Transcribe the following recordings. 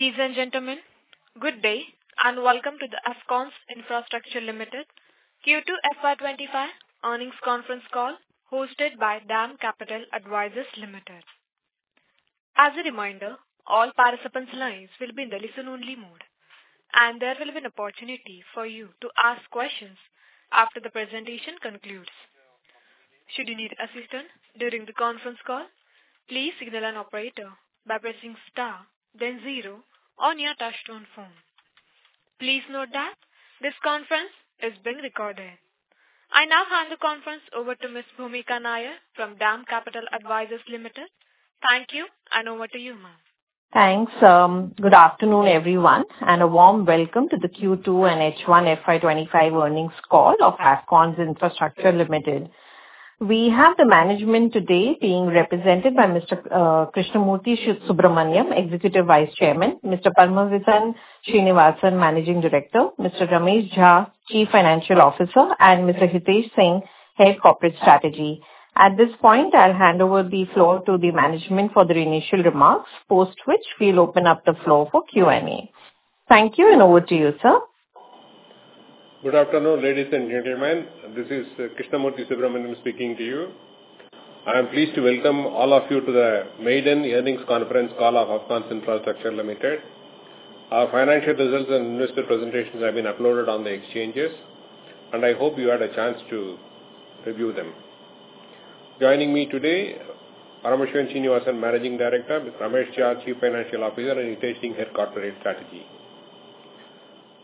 Ladies and gentlemen, good day and welcome to the Afcons Infrastructure Limited Q2 FY25 earnings conference call hosted by DAM Capital Advisors Limited. As a reminder, all participants' lines will be in the listen-only mode, and there will be an opportunity for you to ask questions after the presentation concludes. Should you need assistance during the conference call, please signal an operator by pressing star, then zero on your touch-tone phone. Please note that this conference is being recorded. I now hand the conference over to Ms. Bhumika Nair from DAM Capital Advisors Limited. Thank you, and over to you, ma'am. Thanks. Good afternoon, everyone, and a warm welcome to the Q2 and H1 FY25 earnings call of Afcons Infrastructure Limited. We have the management today being represented by Mr. Krishnamurthy Subramanian, Executive Vice Chairman, Mr. Paramasivan Srinivasan, Managing Director, Mr. Ramesh Jha, Chief Financial Officer, and Mr. Hitesh Singh, Head Corporate Strategy. At this point, I'll hand over the floor to the management for their initial remarks, post which we'll open up the floor for Q&A. Thank you, and over to you, sir. Good afternoon, ladies and gentlemen. This is Krishnamurthy Subramanian speaking to you. I am pleased to welcome all of you to the Maiden Earnings Conference call of Afcons Infrastructure Limited. Our financial results and investor presentations have been uploaded on the exchanges, and I hope you had a chance to review them. Joining me today, Paramasivan Srinivasan, Managing Director, Mr. Ramesh Jha, Chief Financial Officer, and Hitesh Singh, Head Corporate Strategy.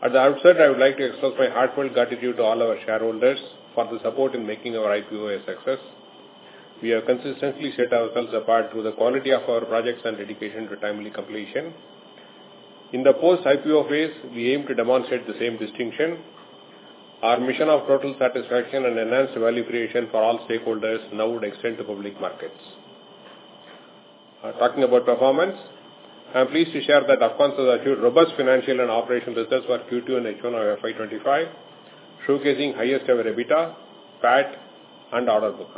At the outset, I would like to express my heartfelt gratitude to all our shareholders for the support in making our IPO a success. We have consistently set ourselves apart through the quality of our projects and dedication to timely completion. In the post-IPO phase, we aim to demonstrate the same distinction. Our mission of total satisfaction and enhanced value creation for all stakeholders now would extend to public markets. Talking about performance, I'm pleased to share that Afcons has achieved robust financial and operational results for Q2 and H1 of FY25, showcasing highest-ever EBITDA, PAT, and order book.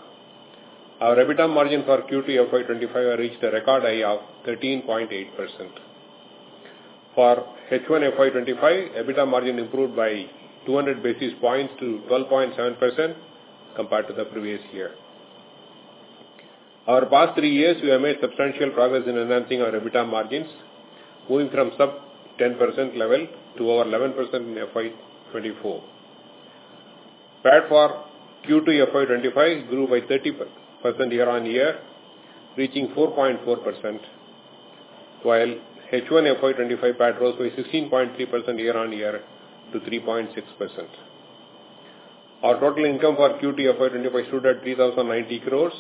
Our EBITDA margin for Q2 FY25 has reached a record high of 13.8%. For H1 FY25, EBITDA margin improved by 200 basis points to 12.7% compared to the previous year. Over the past three years, we have made substantial progress in enhancing our EBITDA margins, moving from sub-10% level to over 11% in FY24. PAT for Q2 FY25 grew by 30% year-on-year, reaching 4.4%, while H1 FY25 PAT rose by 16.3% year-on-year to 3.6%. Our total income for Q2 FY25 stood at 3,090 crores,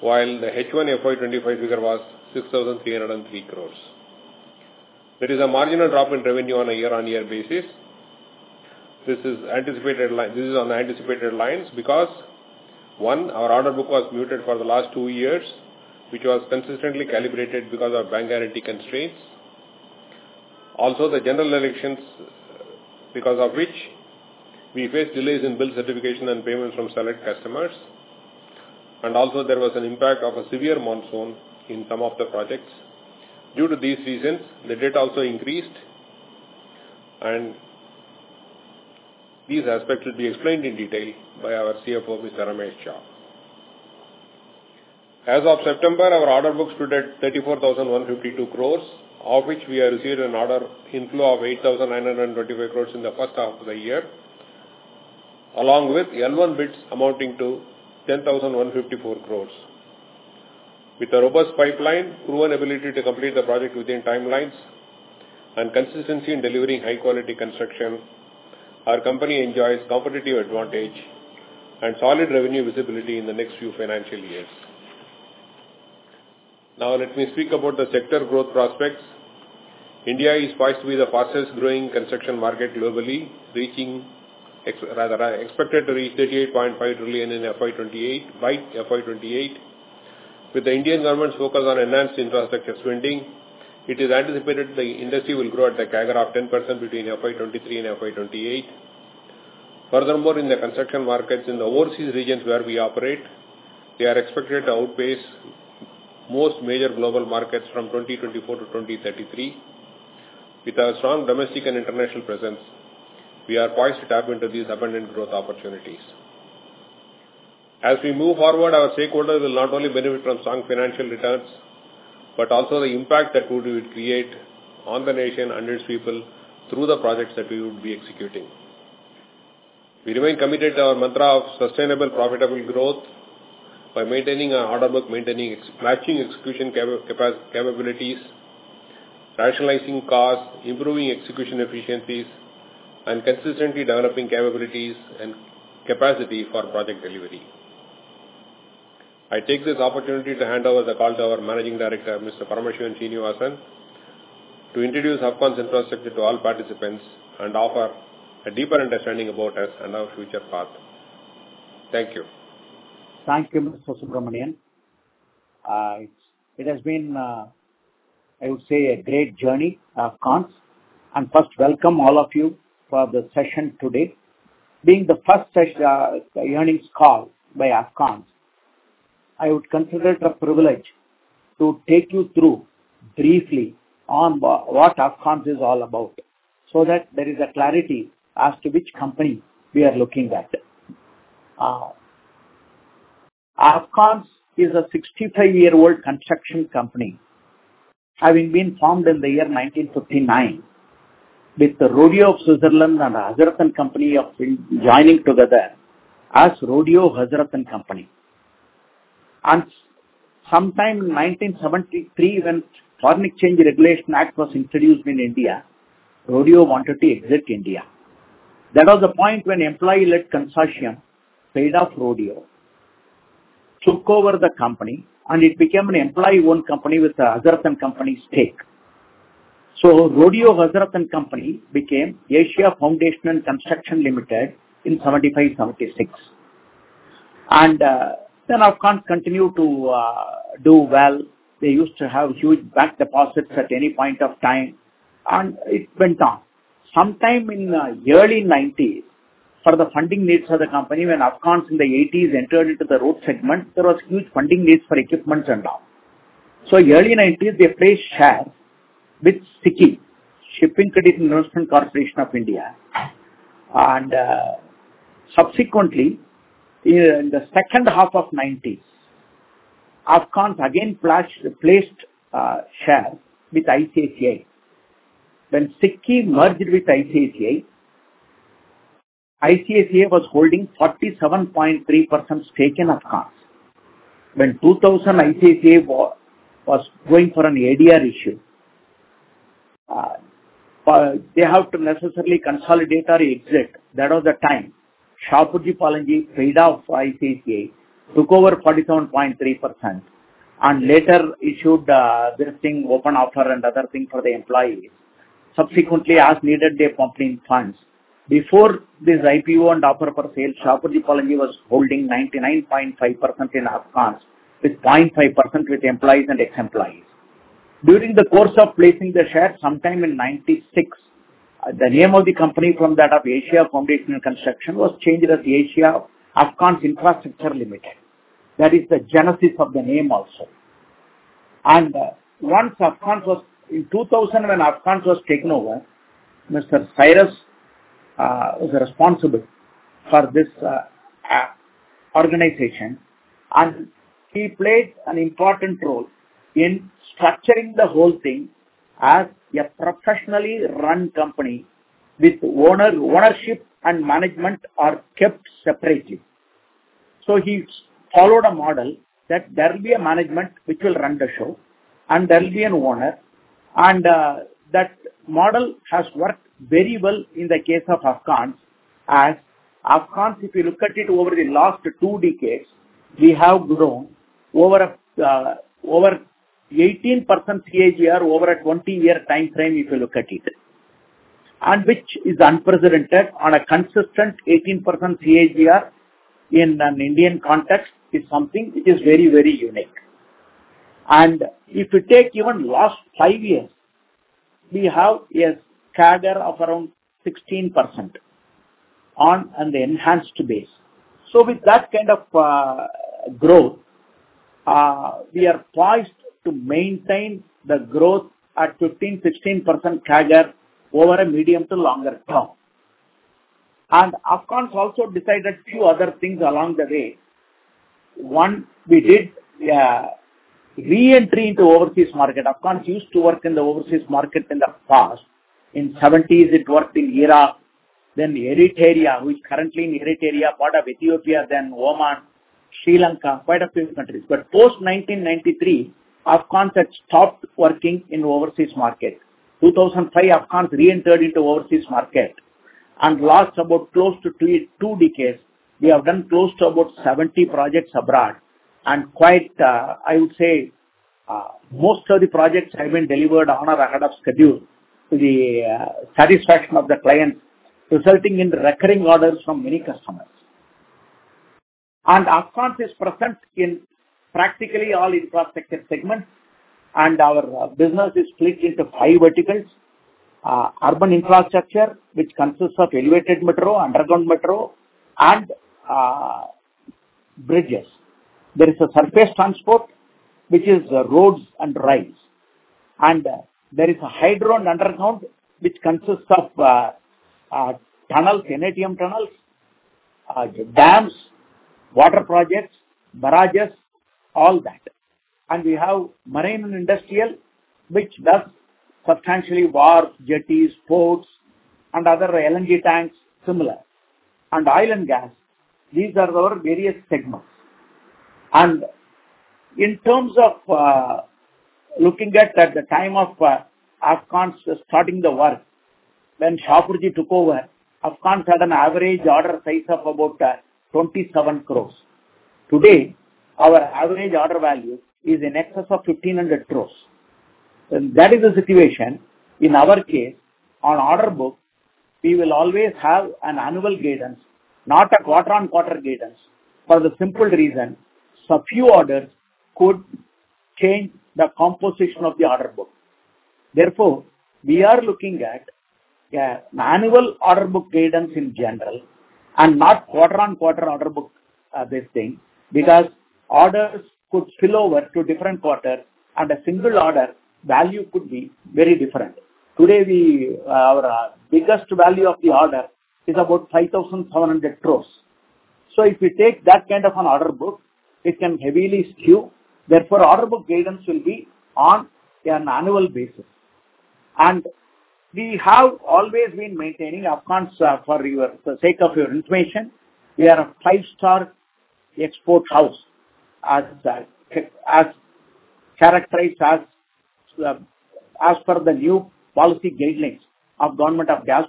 while the H1 FY25 figure was 6,303 crores. There is a marginal drop in revenue on a year-on-year basis. This is on the anticipated lines because, one, our order book was muted for the last two years, which was consistently calibrated because of bank guarantee constraints. Also, the general elections, because of which we faced delays in bill certification and payments from select customers, and also there was an impact of a severe monsoon in some of the projects. Due to these reasons, the debt also increased, and these aspects will be explained in detail by our CFO, Mr. Ramesh Jha. As of September, our order book stood at 34,152 crores, of which we had received an order inflow of 8,925 crores in the first half of the year, along with L1 bids amounting to 10,154 crores. With a robust pipeline, proven ability to complete the project within timelines, and consistency in delivering high-quality construction, our company enjoys competitive advantage and solid revenue visibility in the next few financial years. Now, let me speak about the sector growth prospects. India is poised to be the fastest-growing construction market globally. It's expected to reach 38.5 trillion by FY28. With the Indian government's focus on enhanced infrastructure spending, it is anticipated the industry will grow at a CAGR of 10% between FY23 and FY28. Furthermore, in the construction markets in the overseas regions where we operate, they are expected to outpace most major global markets from 2024 to 2033. With our strong domestic and international presence, we are poised to tap into these abundant growth opportunities. As we move forward, our stakeholders will not only benefit from strong financial returns but also the impact that we would create on the nation and its people through the projects that we would be executing. We remain committed to our mantra of sustainable, profitable growth by maintaining our order book, matching execution capabilities, rationalizing costs, improving execution efficiencies, and consistently developing capabilities and capacity for project delivery. I take this opportunity to hand over the call to our Managing Director, Mr. Paramasivan Srinivasan, to introduce Afcons Infrastructure to all participants and offer a deeper understanding about us and our future path. Thank you. Thank you, Mr. Subramanian. It has been, I would say, a great journey of Afcons. And first, welcome all of you for the session today. Being the first earnings call by Afcons, I would consider it a privilege to take you through briefly on what Afcons is all about so that there is a clarity as to which company we are looking at. Afcons is a 65-year-old construction company, having been formed in the year 1959 with the Rodio of Switzerland and the Hazarat and Company joining together as Rodio Hazarat Company. And sometime in 1973, when the Foreign Exchange Regulation Act was introduced in India, Rodio wanted to exit India. That was the point when the Employee-Led Consortium paid off Rodio, took over the company, and it became an employee-owned company with the Hazarat and Company stake. So Rodio Hazarat Company became Asia Foundations and Constructions Limited in 1975, 1976. Afcons continued to do well. They used to have huge bank deposits at any point of time, and it went on. Sometime in the early 1990s, for the funding needs of the company, when Afcons in the 1980s entered into the road segment, there was huge funding needs for equipment and all. Early 1990s, they placed shares with SCICI, Shipping Credit and Investment Company of India. And subsequently, in the second half of 1990s, Afcons again placed shares with ICICI. When SCICI merged with ICICI, ICICI was holding 47.3% stake in Afcons. When 2000, ICICI was going for an ADR issue, they had to necessarily consolidate or exit. That was the time. Shapoorji Pallonji paid off ICICI, took over 47.3%, and later issued this thing, open offer and other things for the employees. Subsequently, as needed, they pumped in funds. Before this IPO and offer for sale, Shapoorji Pallonji was holding 99.5% in Afcons with 0.5% with employees and ex-employees. During the course of placing the shares, sometime in 1996, the name of the company from that of Asia Foundations and Construction was changed as Asia Afcons Infrastructure Limited. That is the genesis of the name also, and once Afcons was in 2000, when Afcons was taken over, Mr. Cyrus was responsible for this organization, and he played an important role in structuring the whole thing as a professionally run company with ownership and management kept separately, so he followed a model that there will be a management which will run the show, and there will be an owner, and that model has worked very well in the case of Afcons. As Afcons, if you look at it over the last two decades, we have grown over 18% CAGR over a 20-year time frame if you look at it. Which is unprecedented on a consistent 18% CAGR in an Indian context is something which is very, very unique. If you take even the last five years, we have a CAGR of around 16% on an enhanced base. With that kind of growth, we are poised to maintain the growth at 15%-16 CAGR over a medium- to long-term. Afcons also decided a few other things along the way. One, we did re-entry into the overseas market. Afcons used to work in the overseas market in the past. In the 1970s, it worked in Iraq, then in Eritrea, which was part of Ethiopia, then Oman, Sri Lanka, quite a few countries. Post-1993, Afcons had stopped working in the overseas market. In 2005, Afcons re-entered into the overseas market and lasted about close to two decades. We have done close to about 70 projects abroad. And quite, I would say, most of the projects have been delivered on or ahead of schedule to the satisfaction of the clients, resulting in recurring orders from many customers. And Afcons is present in practically all infrastructure segments, and our business is split into five verticals: urban infrastructure, which consists of elevated metro, underground metro, and bridges. There is a surface transport, which is roads and rails. And there is a hydro and underground, which consists of tunnels, immersion tunnels, dams, water projects, barrages, all that. And we have marine and industrial, which does substantially wharf, jetties, ports, and other LNG tanks, similar. And oil and gas, these are our various segments. And in terms of looking at the time of Afcons starting the work, when Shapoorji took over, Afcons had an average order size of about 27 crores. Today, our average order value is in excess of 1,500 crores. And that is the situation. In our case, on order book, we will always have an annual guidance, not a quarter-on-quarter guidance, for the simple reason that a few orders could change the composition of the order book. Therefore, we are looking at an annual order book guidance in general and not quarter-on-quarter order book this thing because orders could spill over to different quarters, and a single order value could be very different. Today, our biggest value of the order is about 5,700 crores. So if you take that kind of an order book, it can heavily skew. Therefore, order book guidance will be on an annual basis. We have always been maintaining Afcons for the sake of your information. We are a five-star export house as characterized as per the new policy guidelines of the Government of India.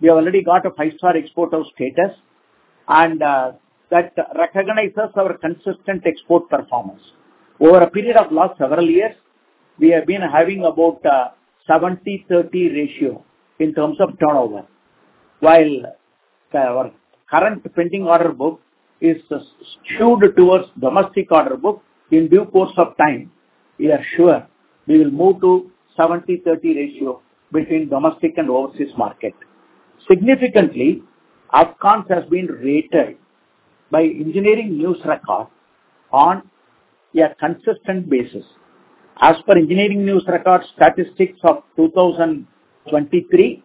We have already got a five-star exporter status, and that recognizes our consistent export performance. Over a period of the last several years, we have been having about a 70/30 ratio in terms of turnover. While our current pending order book is skewed towards domestic order book, in due course of time, we are sure we will move to a 70/30 ratio between domestic and overseas market. Significantly, Afcons has been rated by Engineering News-Record on a consistent basis. As per Engineering News-Record statistics of 2023,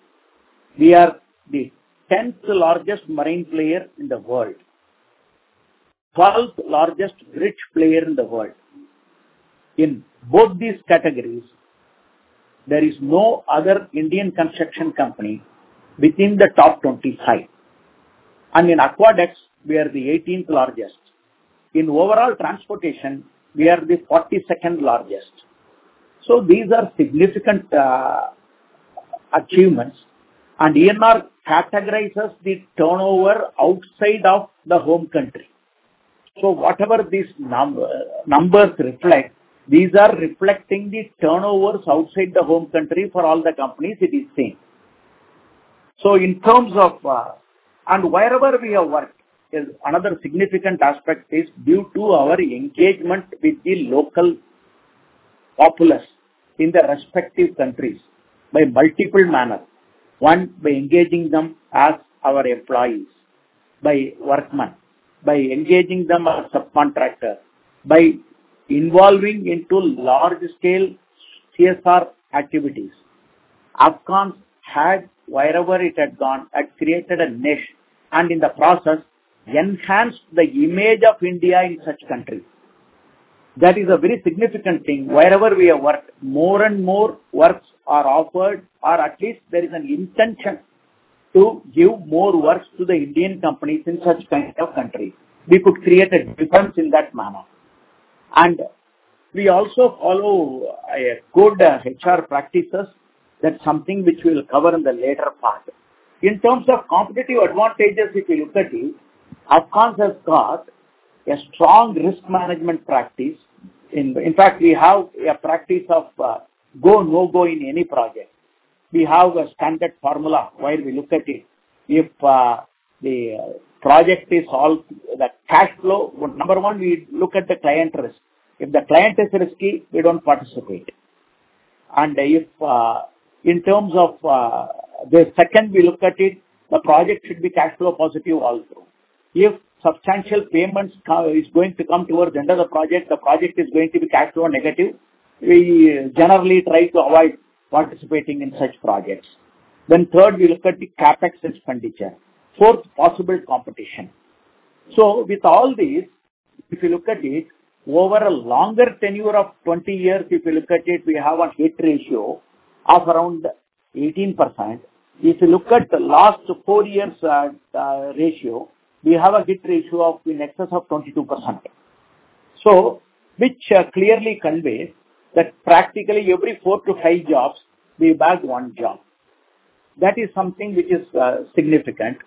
we are the 10th largest marine player in the world, 12th largest bridge player in the world. In both these categories, there is no other Indian construction company within the top 25. And in aqueducts, we are the 18th largest. In overall transportation, we are the 42nd largest. So these are significant achievements. And ENR categorizes the turnover outside of the home country. So whatever these numbers reflect, these are reflecting the turnovers outside the home country for all the companies it is seeing. So in terms of and wherever we have worked, another significant aspect is due to our engagement with the local populace in the respective countries by multiple manners. One, by engaging them as our employees, by workmen, by engaging them as subcontractors, by involving into large-scale CSR activities. Afcons had, wherever it had gone, created a niche and in the process, enhanced the image of India in such countries. That is a very significant thing. Wherever we have worked, more and more works are offered, or at least there is an intention to give more works to the Indian companies in such kind of countries. We could create a difference in that manner, and we also follow good HR practices. That's something which we will cover in the later part. In terms of competitive advantages, if you look at it, Afcons has got a strong risk management practice. In fact, we have a practice of go-no-go in any project. We have a standard formula where we look at it. If the project is all the cash flow, number one, we look at the client risk. If the client is risky, we don't participate, and in terms of the second, we look at it, the project should be cash flow positive all through. If substantial payments are going to come towards the end of the project, the project is going to be cash flow negative. We generally try to avoid participating in such projects. Then third, we look at the CapEx and expenditure. Fourth, possible competition. So with all these, if you look at it, over a longer tenure of 20 years, if you look at it, we have a hit ratio of around 18%. If you look at the last four years ratio, we have a hit ratio of in excess of 22%. So which clearly conveys that practically every four to five jobs, we bag one job. That is something which is significant.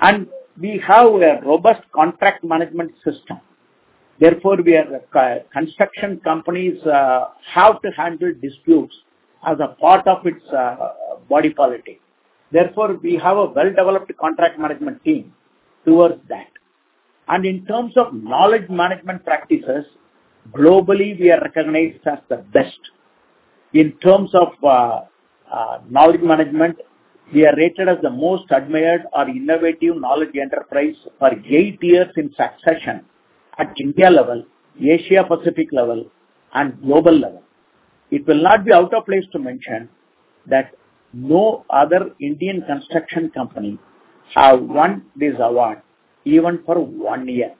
And we have a robust contract management system. Therefore, construction companies have to handle disputes as a part of its body politics. Therefore, we have a well-developed contract management team towards that. In terms of knowledge management practices, globally, we are recognized as the best. In terms of knowledge management, we are rated as the most admired or innovative knowledge enterprise for eight years in succession at India level, Asia Pacific level, and global level. It will not be out of place to mention that no other Indian construction company has won this award even for one year.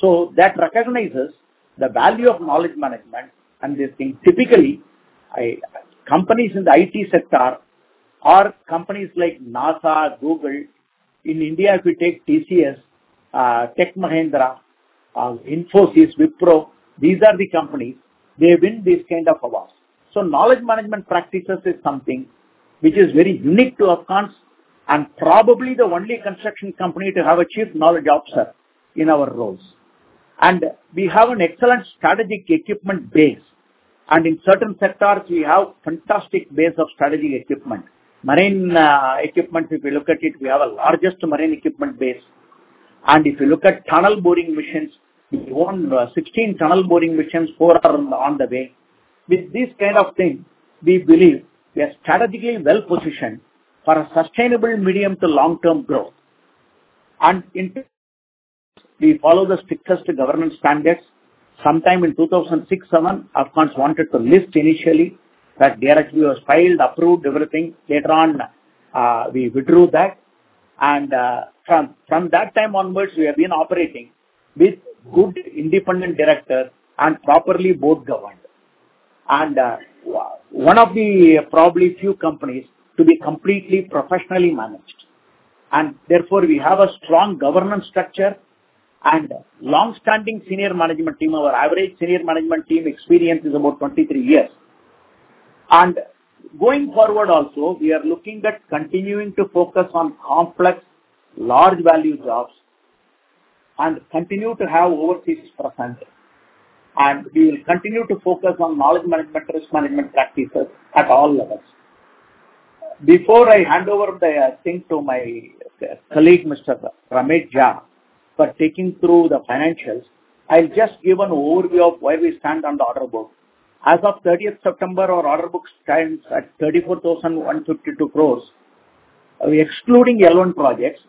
So that recognizes the value of knowledge management and this thing. Typically, companies in the IT sector or companies like NASA, Google, in India, if you take TCS, Tech Mahindra, Infosys, Wipro, these are the companies. They win these kinds of awards. So knowledge management practices is something which is very unique to Afcons and probably the only construction company to have achieved knowledge observer in our roles. We have an excellent strategic equipment base. In certain sectors, we have a fantastic base of strategic equipment. Marine equipment, if you look at it, we have the largest marine equipment base. And if you look at tunnel boring machines, we own 16 tunnel boring machines, four are on the way. With these kinds of things, we believe we are strategically well-positioned for a sustainable medium- to long-term growth. And we follow the strictest government standards. Sometime in 2006, Afcons wanted to list initially. That directly was filed, approved, everything. Later on, we withdrew that. And from that time onwards, we have been operating with good independent directors and properly board governed. And one of probably the few companies to be completely professionally managed. And therefore, we have a strong governance structure and long-standing senior management team. Our average senior management team experience is about 23 years. Going forward also, we are looking at continuing to focus on complex, large-value jobs and continue to have overseas presence. We will continue to focus on knowledge management, risk management practices at all levels. Before I hand over the thing to my colleague, Mr. Ramesh Jha, for taking through the financials, I'll just give an overview of where we stand on the order book. As of 30th September, our order book stands at 34,152 crores, excluding L1 projects.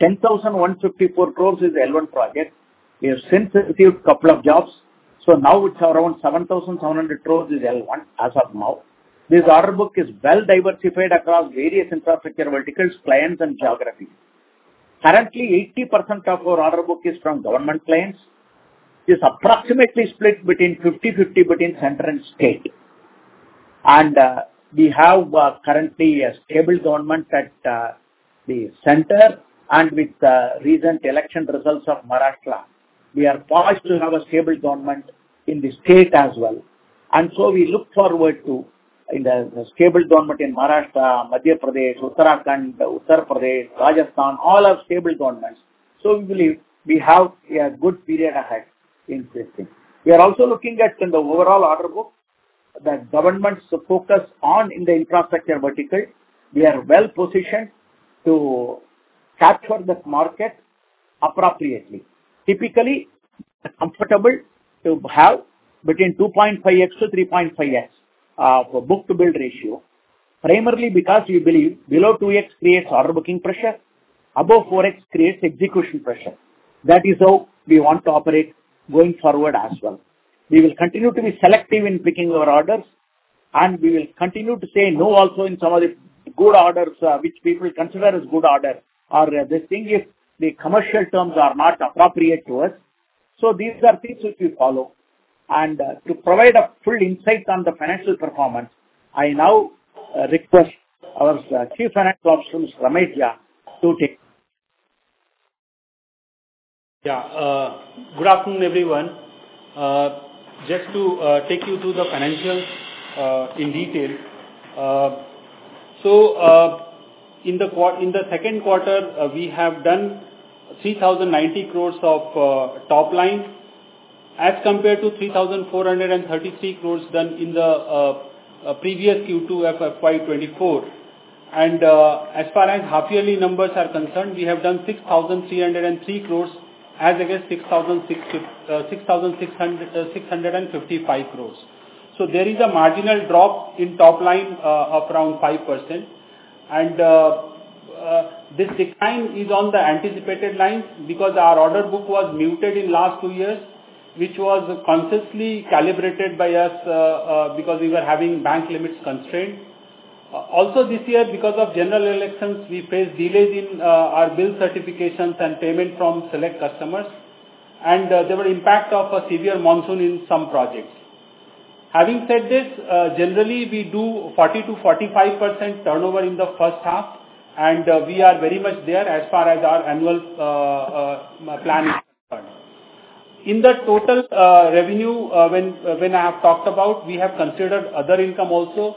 10,154 crores is L1 projects. We have since received a couple of jobs. So now, which are around 7,700 crores is L1 as of now. This order book is well-diversified across various infrastructure verticals, clients, and geographies. Currently, 80% of our order book is from government clients. It's approximately split between 50/50 between center and state. We have currently a stable government at the center. With the recent election results of Maharashtra, we are poised to have a stable government in the state as well. We look forward to the stable government in Maharashtra, Madhya Pradesh, Uttar Pradesh, Rajasthan, all our stable governments. We believe we have a good period ahead in this thing. We are also looking at the overall order book, the government's focus on the infrastructure vertical. We are well-positioned to capture the market appropriately. Typically, comfortable to have between 2.5x-3.5x of a book-to-bill ratio, primarily because we believe below 2x creates order booking pressure. Above 4x creates execution pressure. That is how we want to operate going forward as well. We will continue to be selective in picking our orders. We will continue to say no also in some of the good orders which people consider as good orders or this thing if the commercial terms are not appropriate to us. These are things which we follow. To provide a full insight on the financial performance, I now request our Chief Financial Officer, Mr. Ramesh Jha, to take the floor. Yeah. Good afternoon, everyone. Just to take you through the financials in detail. In the second quarter, we have done 3,090 crores of top line as compared to 3,433 crores done in the previous Q2 of FY24. As far as half-yearly numbers are concerned, we have done 6,303 crores as against 6,655 crores. There is a marginal drop in top line of around 5%. and this decline is on the anticipated line because our order book was muted in the last two years, which was consistently calibrated by us because we were having bank limits constrained. Also, this year, because of general elections, we faced delays in our bill certifications and payment from select customers. There were impacts of a severe monsoon in some projects. Having said this, generally, we do 40%-45 turnover in the first-half. We are very much there as far as our annual plan is concerned. In the total revenue when I have talked about, we have considered other income also.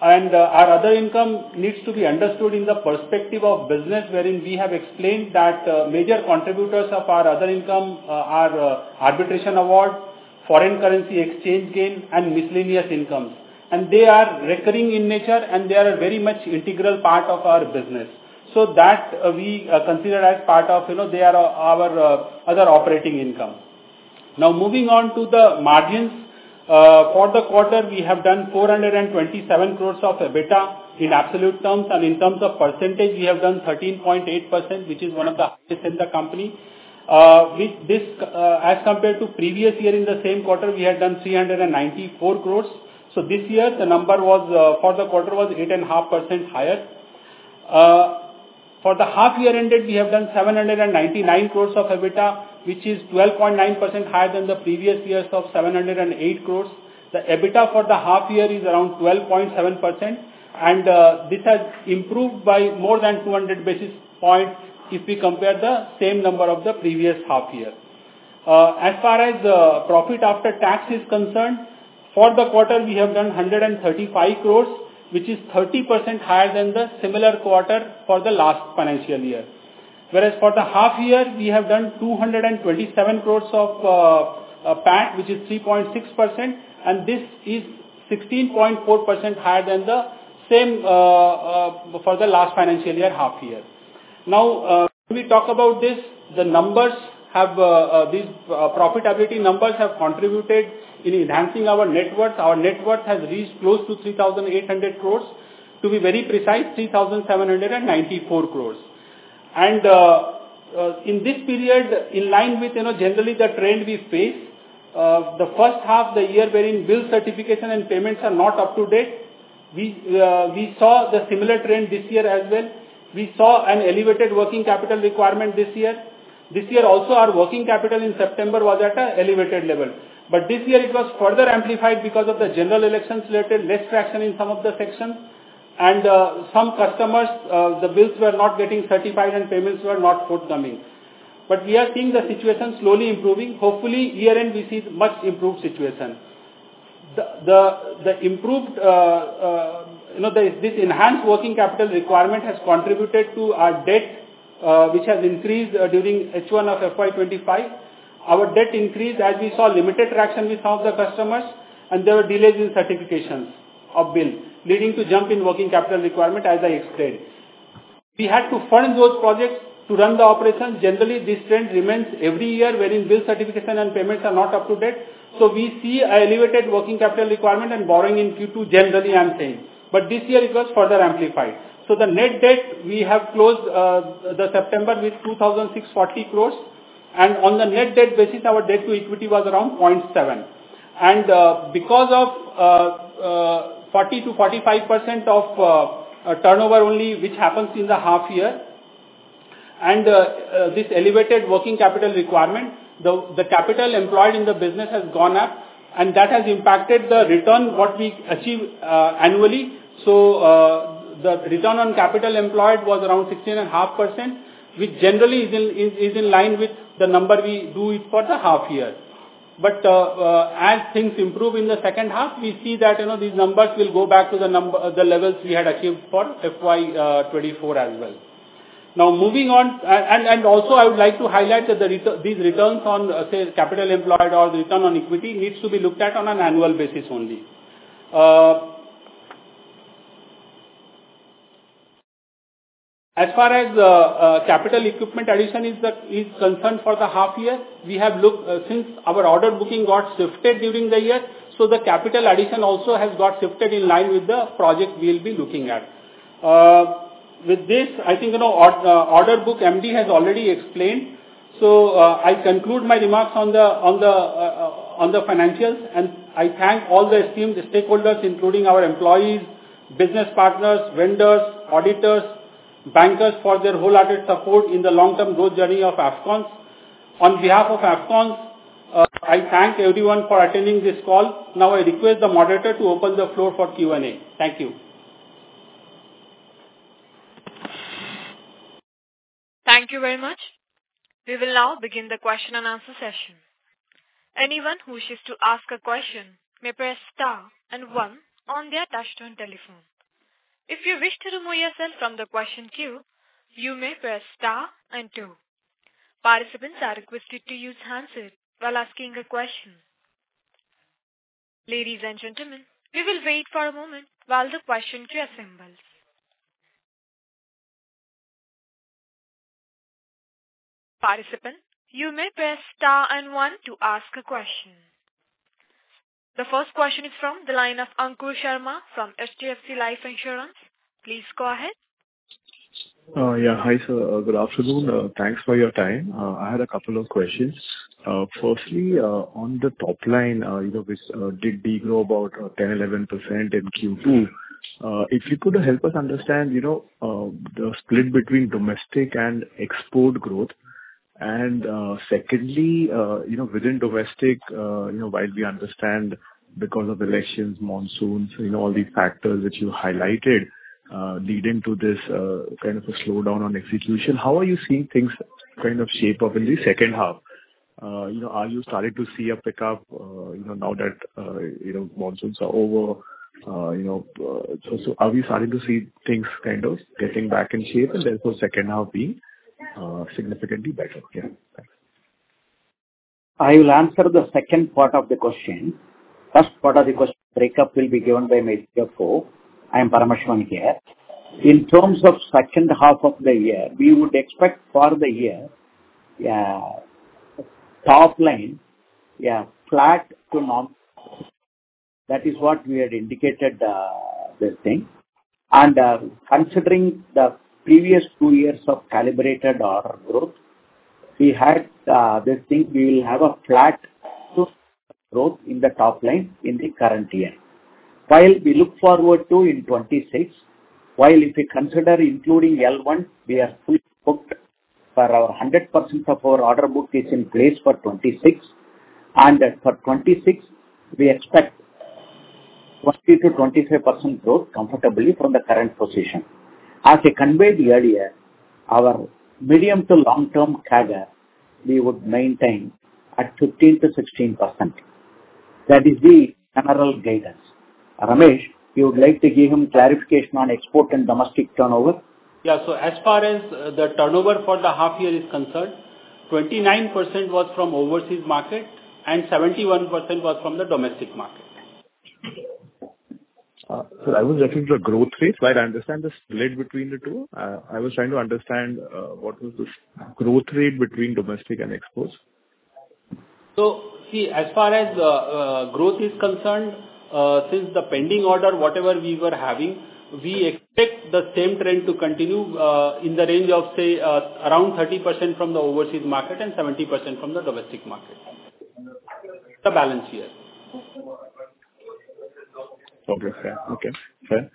Our other income needs to be understood in the perspective of business, wherein we have explained that major contributors of our other income are arbitration awards, foreign currency exchange gain, and miscellaneous incomes. And they are recurring in nature, and they are a very much integral part of our business. So that we consider as part of our other operating income. Now, moving on to the margins. For the quarter, we have done 427 crores of EBITDA in absolute terms. And in terms of percentage, we have done 13.8%, which is one of the highest in the company. As compared to previous year in the same quarter, we had done 394 crores. So this year, the number for the quarter was 8.5% higher. For the half-year ended, we have done 799 crores of EBITDA, which is 12.9% higher than the previous years of 708 crores. The EBITDA for the half-year is around 12.7%. And this has improved by more than 200 basis points if we compare the same number of the previous half-year. As far as profit after tax is concerned, for the quarter, we have done 135 crores, which is 30% higher than the similar quarter for the last financial year. Whereas for the half-year, we have done 227 crores of PAT, which is 3.6%. And this is 16.4% higher than the same for the last financial year half-year. Now, when we talk about this, these profitability numbers have contributed in enhancing our net worth. Our net worth has reached close to 3,800 crores. To be very precise, 3,794 crores. In this period, in line with generally the trend we face, the first half of the year wherein bill certification and payments are not up to date, we saw the similar trend this year as well. We saw an elevated working capital requirement this year. This year also, our working capital in September was at an elevated level. But this year, it was further amplified because of the general elections-related less traction in some of the sections. And some customers, the bills were not getting certified, and payments were not forthcoming. But we are seeing the situation slowly improving. Hopefully, year-end, we see much improved situation. This enhanced working capital requirement has contributed to our debt, which has increased during H1 of FY25. Our debt increased, as we saw limited traction with some of the customers, and there were delays in certifications of bill, leading to jump in working capital requirement as I explained. We had to fund those projects to run the operation. Generally, this trend remains every year wherein bill certification and payments are not up to date. So we see an elevated working capital requirement and borrowing in Q2 generally, I'm saying. But this year, it was further amplified. So the net debt, we have closed the September with 2,640 crores. And on the net debt basis, our debt to equity was around 0.7. And because of 40%-45 of turnover only, which happens in the half-year, and this elevated working capital requirement, the capital employed in the business has gone up. And that has impacted the return what we achieve annually. So the return on capital employed was around 16.5%, which generally is in line with the number we do it for the half-year. But as things improve in the second half, we see that these numbers will go back to the levels we had achieved for FY24 as well. Now, moving on, and also, I would like to highlight that these returns on, say, capital employed or return on equity needs to be looked at on an annual basis only. As far as capital equipment addition is concerned for the half-year, we have looked since our order booking got shifted during the year. So the capital addition also has got shifted in line with the project we'll be looking at. With this, I think order book, MD has already explained. So I conclude my remarks on the financials. And I thank all the esteemed stakeholders, including our employees, business partners, vendors, auditors, bankers, for their wholehearted support in the long-term growth journey of Afcons. On behalf of Afcons, I thank everyone for attending this call. Now, I request the moderator to open the floor for Q&A. Thank you. Thank you very much. We will now begin the question and answer session. Anyone who wishes to ask a question may press star and one on their touch-tone telephone. If you wish to remove yourself from the question queue, you may press star and two. Participants are requested to use hands raised while asking a question. Ladies and gentlemen, we will wait for a moment while the question queue assembles. Participant, you may press star and one to ask a question. The first question is from the line of Ankur Sharma from HDFC Life Insurance. Please go ahead. Yeah. Hi, sir. Good afternoon. Thanks for your time. I had a couple of questions. Firstly, on the top line, which did grow about 10%-11 in Q2, if you could help us understand the split between domestic and export growth. And secondly, within domestic, while we understand because of elections, monsoons, all these factors which you highlighted leading to this kind of a slowdown on execution, how are you seeing things kind of shape up in the 2nd half? Are you starting to see a pickup now that monsoons are over? So are we starting to see things kind of getting back in shape and therefore 2nd half being significantly better? Yeah. Thanks. I will answer the second part of the question. First part of the question breakup will be given by Madhya Bhopp. I am Paramasivan here. In terms of second half of the year, we would expect for the year, top line, flat to normal. That is what we had indicated this thing. And considering the previous two years of calibrated order growth, we had this thing we will have a flat to normal growth in the top line in the current year. While we look forward to in 26, while if we consider including L1, we are fully booked for 26. 100% of our order book is in place for 26. For 26, we expect 20%-25 growth comfortably from the current position. As I conveyed earlier, our medium to long-term CAGR we would maintain at 15%-16%. That is the general guidance. Ramesh, you would like to give him clarification on export and domestic turnover? Yeah. So as far as the turnover for the half-year is concerned, 29% was from overseas market and 71% was from the domestic market. Sir, I was referring to the growth rate. I understand the split between the two. I was trying to understand what was the growth rate between domestic and exports. So see, as far as growth is concerned, since the pending order, whatever we were having, we expect the same trend to continue in the range of, say, around 30% from the overseas market and 70% from the domestic market. The balance year. Okay. Fair. Okay. Fair.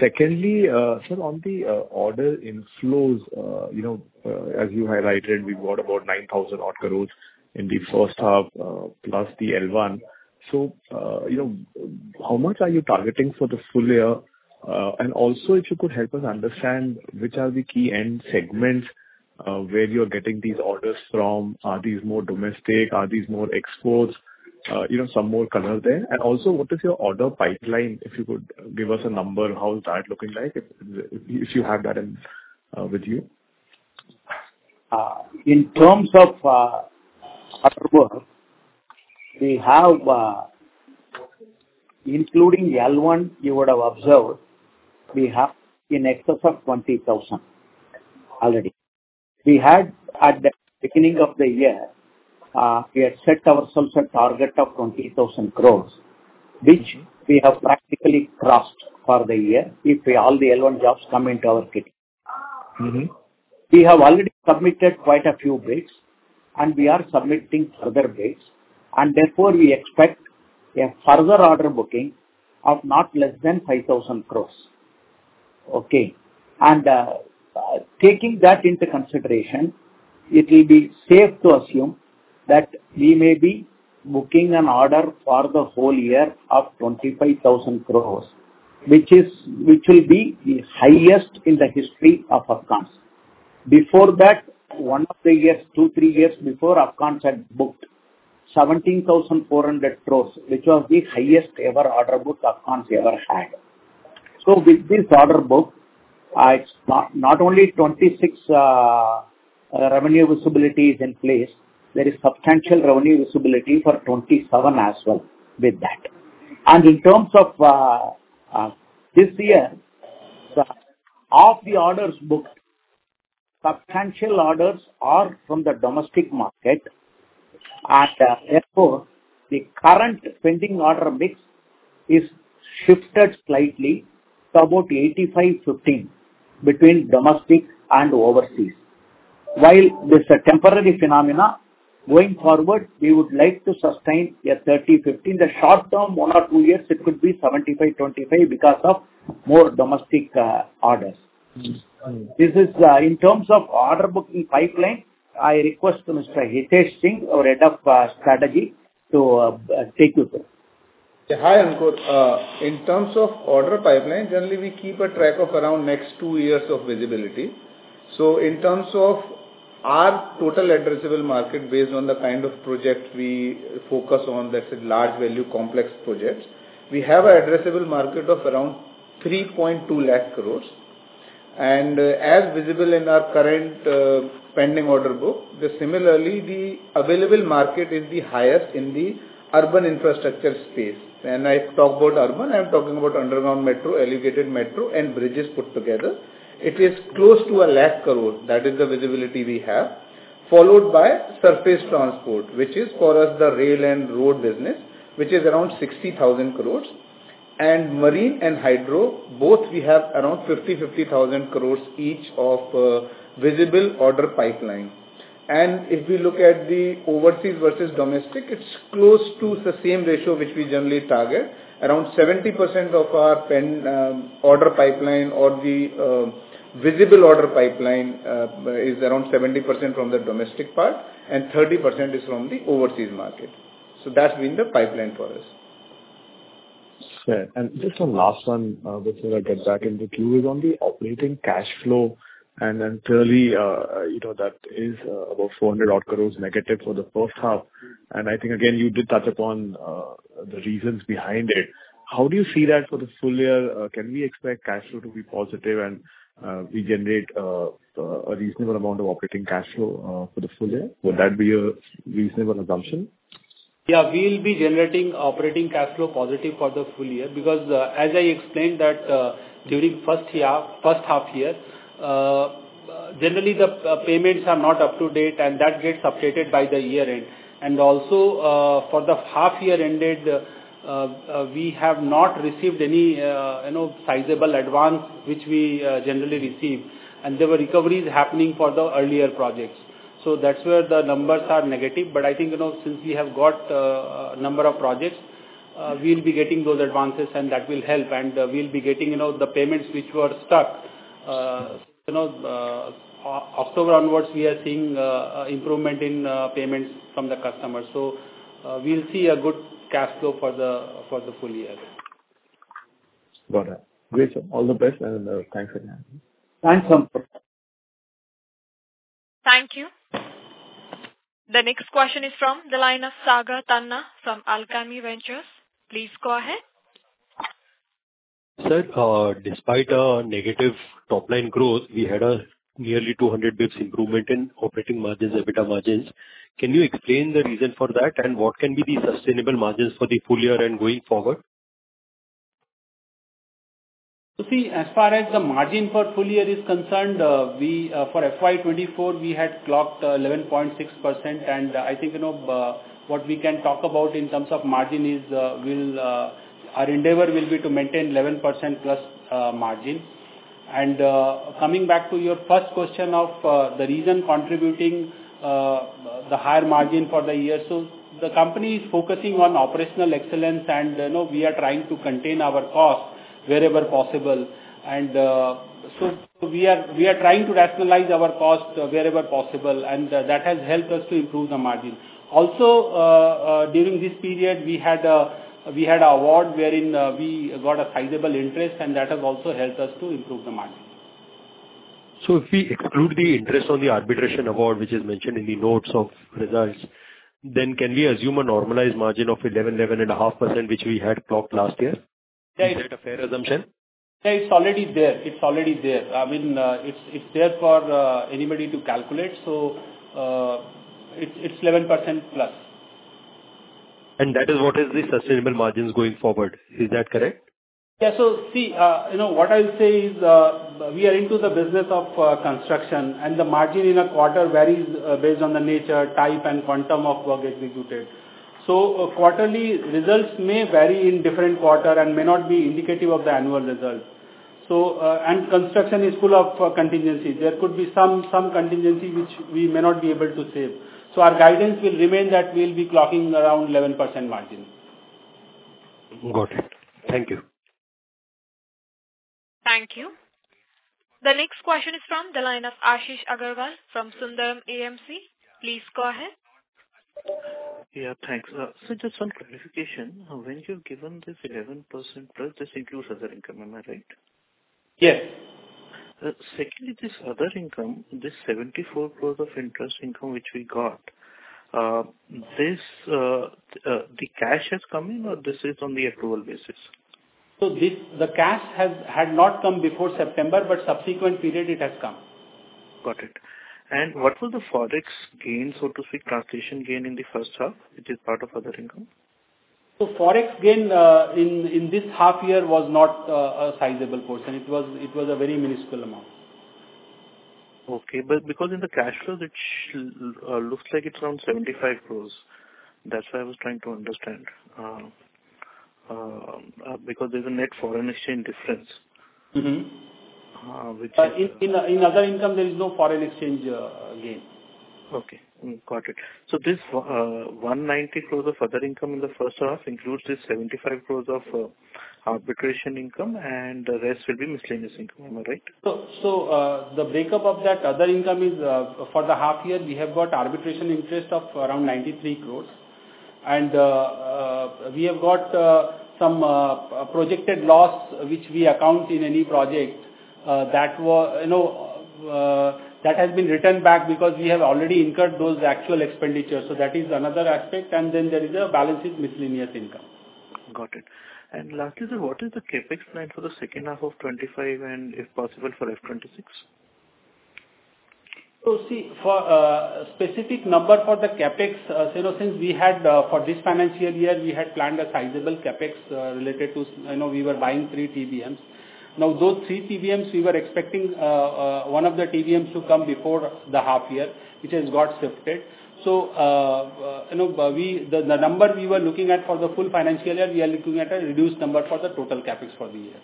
Secondly, sir, on the order inflows, as you highlighted, we booked about 9,000-odd crores in the first half plus the L1. So how much are you targeting for the full year? And also, if you could help us understand which are the key end segments where you're getting these orders from. Are these more domestic? Are these more exports? Some more color there. And also, what is your order pipeline? If you could give us a number, how is that looking like if you have that with you? In terms of order book, we have, including L1, you would have observed, we have in excess of 20,000 already. We had, at the beginning of the year, we had set ourselves a target of 20,000 crores, which we have practically crossed for the year if all the L1 jobs come into our kit. We have already submitted quite a few bids, and we are submitting further bids. And therefore, we expect a further order booking of not less than 5,000 crores. Okay. And taking that into consideration, it will be safe to assume that we may be booking an order for the whole year of 25,000 crores, which will be the highest in the history of Afcons. Before that, one of the years, two, three years before, Afcons had booked 17,400 crores, which was the highest ever order book Afcons ever had. So with this order book, it's not only 26 revenue visibility is in place. There is substantial revenue visibility for 27 as well with that. And in terms of this year, of the orders booked, substantial orders are from the domestic market. And therefore, the current pending order mix is shifted slightly to about 85-15 between domestic and overseas. While this is a temporary phenomenon, going forward, we would like to sustain a 30-15. In the short-term, 1 or 2 years, it could be 75-25 because of more domestic orders. This is in terms of order booking pipeline. I request Mr. Hitesh Singh, our head of strategy, to take you through. Yeah. Hi, Ankur. In terms of order pipeline, generally, we keep a track of around next two years of visibility. So in terms of our total addressable market based on the kind of project we focus on, that's a large value complex project, we have an addressable market of around 3.2 lakh crores. And as visible in our current pending order book, similarly, the available market is the highest in the urban infrastructure space. When I talk about urban, I'm talking about underground metro, elevated metro, and bridges put together. It is close to a lakh crores. That is the visibility we have, followed by surface transport, which is for us the rail and road business, which is around 60,000 crores. And marine and hydro, both we have around 50,000 crores each of visible order pipeline. And if we look at the overseas versus domestic, it's close to the same ratio which we generally target, around 70% of our order pipeline or the visible order pipeline is around 70% from the domestic part, and 30% is from the overseas market. So that's been the pipeline for us. Fair. And just one last one before I get back into queue is on the operating cash flow. And then clearly, that is about 400 odd crores negative for the first half. And I think, again, you did touch upon the reasons behind it. How do you see that for the full-year? Can we expect cash flow to be positive and we generate a reasonable amount of operating cash flow for the full year? Would that be a reasonable assumption? Yeah. We'll be generating operating cash flow positive for the full year because, as I explained, that during first half year, generally, the payments are not up to date, and that gets updated by the year-end. And also, for the half-year ended, we have not received any sizable advance which we generally receive. And there were recoveries happening for the earlier projects. So that's where the numbers are negative. But I think since we have got a number of projects, we'll be getting those advances, and that will help. And we'll be getting the payments which were stuck. October onwards, we are seeing improvement in payments from the customers. We'll see a good cash flow for the full year. Got it. Great. All the best. And thanks again. Thanks, Ankur. Thank you. The next question is from the line of Sagar Tanna from Alchemy Ventures. Please go ahead. Sir, despite our negative top-line growth, we had a nearly 200 basis points improvement in operating margins, EBITDA margins. Can you explain the reason for that and what can be the sustainable margins for the full year and going forward? So, see, as far as the margin for full year is concerned, for FY24, we had clocked 11.6%. And I think what we can talk about in terms of margin is our endeavor will be to maintain 11% plus margin. Coming back to your first question of the reason contributing the higher margin for the year, so the company is focusing on operational excellence, and we are trying to contain our cost wherever possible. And so we are trying to rationalize our cost wherever possible. And that has helped us to improve the margin. Also, during this period, we had an award wherein we got a sizable interest, and that has also helped us to improve the margin. So if we exclude the interest on the arbitration award, which is mentioned in the notes of results, then can we assume a normalized margin of 11%-11.5, which we had clocked last year? Yeah. Is that a fair assumption? Yeah. It's already there. It's already there. I mean, it's there for anybody to calculate. So it's 11% plus. And that is what is the sustainable margins going forward. Is that correct? Yeah. So see, what I'll say is we are into the business of construction, and the margin in a quarter varies based on the nature, type, and quantum of work executed. So quarterly results may vary in different quarters and may not be indicative of the annual result, and construction is full of contingencies. There could be some contingency which we may not be able to save, so our guidance will remain that we'll be clocking around 11% margin. Got it. Thank you. Thank you. The next question is from the line of Ashish Agarwal from Sundaram AMC. Please go ahead. Yeah. Thanks. So just one clarification. When you've given this 11%+, this includes other income. Am I right? Yes. Secondly, this other income, this 74% of interest income which we got, the cash has come in or this is on the accrual basis? So the cash had not come before September, but subsequent period it has come. Got it. And what was the forex gain, so to speak, translation gain in the first half, which is part of other income? So forex gain in this half year was not a sizable portion. It was a very minuscule amount. Okay. But because in the cash flow, it looks like it's around 75 crores. That's why I was trying to understand because there's a net foreign exchange difference, which is in other income, there is no foreign exchange gain. Okay. Got it. So this 190 crores of other income in the first half includes this 75 crores of arbitration income, and the rest will be miscellaneous income. Am I right? So the breakup of that other income is for the half year, we have got arbitration interest of around 93 crores. We have got some projected loss which we account in any project that has been returned back because we have already incurred those actual expenditures. That is another aspect. There is a balance with miscellaneous income. Got it. Lastly, sir, what is the CapEx plan for the second half of 2025 and, if possible, for FY 2026? See, for a specific number for the CapEx, since we had for this financial year, we had planned a sizable CapEx related to we were buying three TBMs. Now, those 3 TBMs, we were expecting one of the TBMs to come before the half year, which has got shifted. The number we were looking at for the full financial year, we are looking at a reduced number for the total CapEx for the year.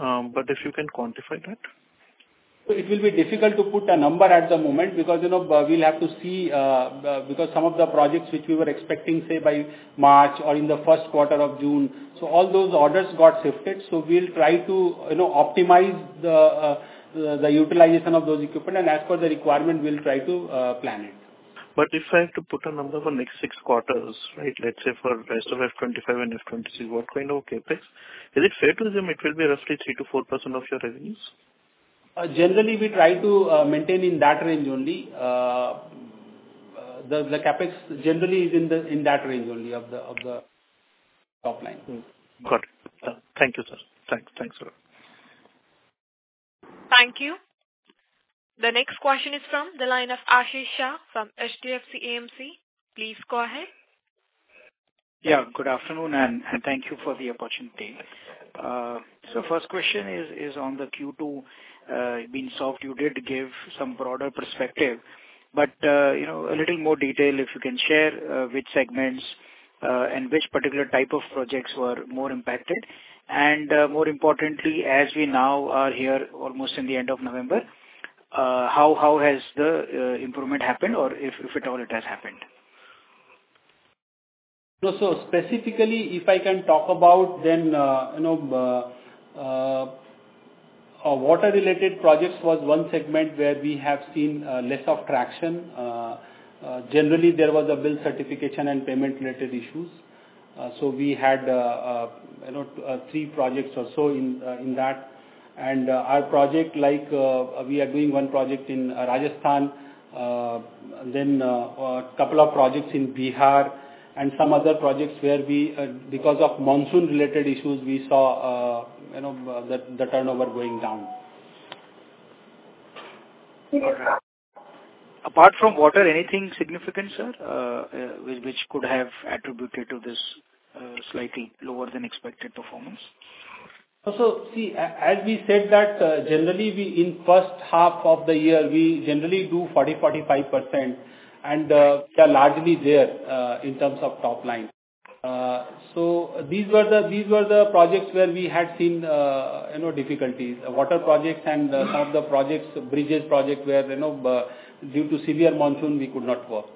If you can quantify that? So, it will be difficult to put a number at the moment because we'll have to see because some of the projects which we were expecting, say, by March or in the Q1 of June. So all those orders got shifted. So we'll try to optimize the utilization of those equipment. And as per the requirement, we'll try to plan it. But if I have to put a number for next six quarters, right, let's say for the rest of F25 and F26, what kind of CapEx? Is it fair to assume it will be roughly 3%-4 of your revenues? Generally, we try to maintain in that range only. The CapEx generally is in that range only of the top line. Got it. Thank you, sir. Thanks. Thanks, sir. Thank you. The next question is from the line of Ashish Shah from HDFC AMC. Please go ahead. Yeah. Good afternoon, and thank you for the opportunity. So first question is on the Q2 being soft. You did give some broader perspective, but a little more detail if you can share which segments and which particular type of projects were more impacted. And more importantly, as we now are here almost in the end of November, how has the improvement happened or if at all it has happened? So specifically, if I can talk about then water-related projects was one segment where we have seen less of traction. Generally, there was a bill certification and payment-related issues. So we had three projects or so in that. And our project, like we are doing one project in Rajasthan, then a couple of projects in Bihar, and some other projects where we, because of monsoon-related issues, we saw the turnover going down. Apart from water, anything significant, sir, which could have attributed to this slightly lower than expected performance? So see, as we said that, generally, in first half of the year, we generally do 40%-45, and they are largely there in terms of top line. So these were the projects where we had seen difficulties, water projects and some of the projects, bridges projects where, due to severe monsoon, we could not work.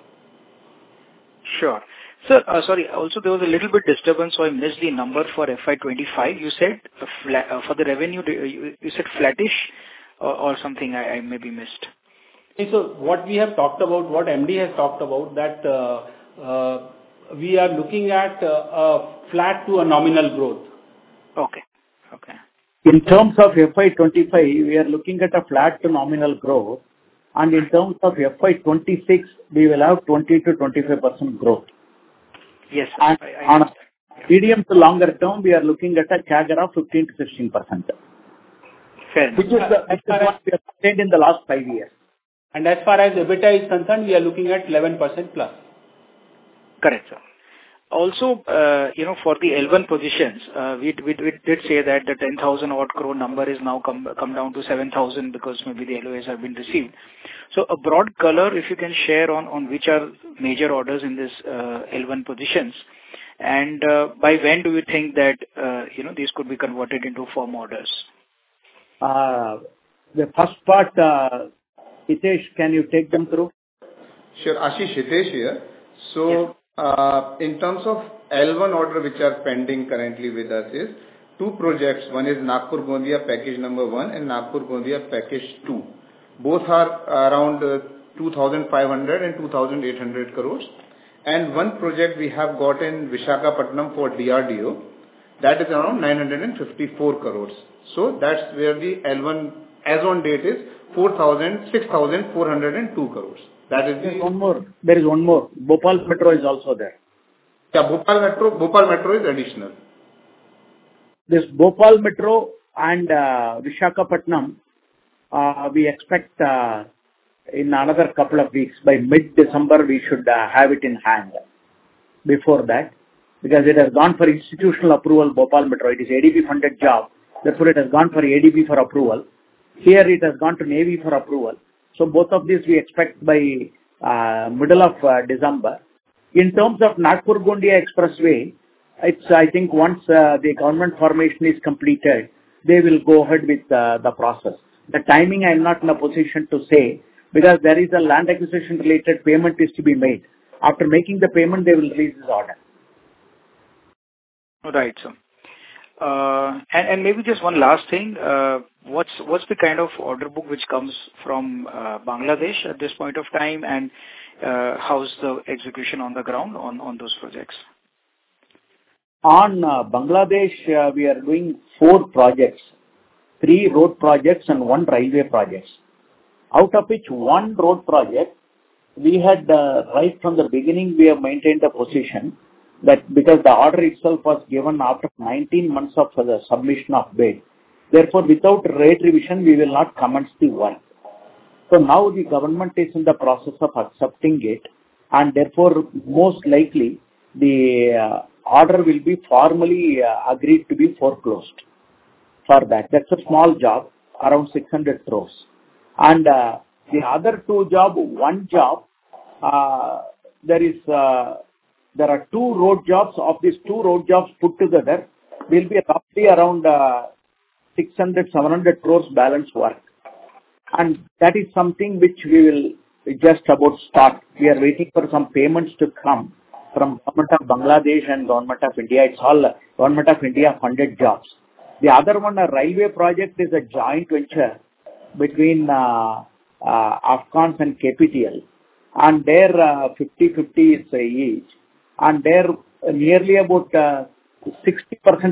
Sure. Sorry. Also, there was a little bit disturbance, so I missed the number for FY25. You said for the revenue, you said flattish or something I maybe missed. So what we have talked about, what MD has talked about, that we are looking at a flat to a nominal growth. Okay. Okay. In terms of FY25, we are looking at a flat to a nominal growth. In terms of FY26, we will have 20%-25 growth. Yes. Medium to longer term, we are looking at a CAGR of 15%-16, which is what we have obtained in the last five years. And as far as EBITDA is concerned, we are looking at 11% plus. Correct, sir. Also, for the L1 positions, we did say that the 10,000 odd crore number has now come down to 7,000 because maybe the LOAs have been received. So a broad color, if you can share on which are major orders in these L1 positions, and by when do you think that these could be converted into firm orders? The first part, Hitesh, can you take them through? Sure. Ashish, Hitesh here. So in terms of L1 order which are pending currently with us is two projects. One is Nagpur-Gondia Package Number One and Nagpur-Gondia Package Two. Both are around 2,500 crores and 2,800 crores. And one project we have got in Visakhapatnam for DRDO. That is around 954 crores. So that's where the L1 as on date is 4,000 crores, 6,402 crores. That is the one more. There is one more. Bhopal Metro is also there. Yeah. Bhopal Metro is additional. This Bhopal Metro and Visakhapatnam, we expect in another couple of weeks, by mid-December, we should have it in hand before that because it has gone for institutional approval, Bhopal Metro. It is ADB-funded job. Therefore, it has gone for ADB for approval. Here, it has gone to Navy for approval. So both of these, we expect by middle of December. In terms of Nagpur-Gondia Expressway, I think once the government formation is completed, they will go ahead with the process. The timing, I am not in a position to say because there is a land acquisition-related payment that needs to be made. After making the payment, they will release this order. Right, sir, and maybe just one last thing. What's the kind of order book which comes from Bangladesh at this point of time, and how's the execution on the ground on those projects? On Bangladesh, we are doing four projects: three road projects and one railway projects. Out of which one road project, we had right from the beginning, we have maintained a position that because the order itself was given after 19 months of submission of bid. Therefore, without rate revision, we will not commence the work, so now the government is in the process of accepting it, and therefore, most likely, the order will be formally agreed to be foreclosed for that. That's a small job, around 600 crores. And the other two jobs, one job, there are two road jobs. Of these two road jobs put together, there will be roughly around 600-700 crores balance work. And that is something which we will just about start. We are waiting for some payments to come from Government of Bangladesh and Government of India. It's all Government of India-funded jobs. The other one, a railway project, is a joint venture between Afcons and KPTL. And they're 50/50 each. And nearly about 60%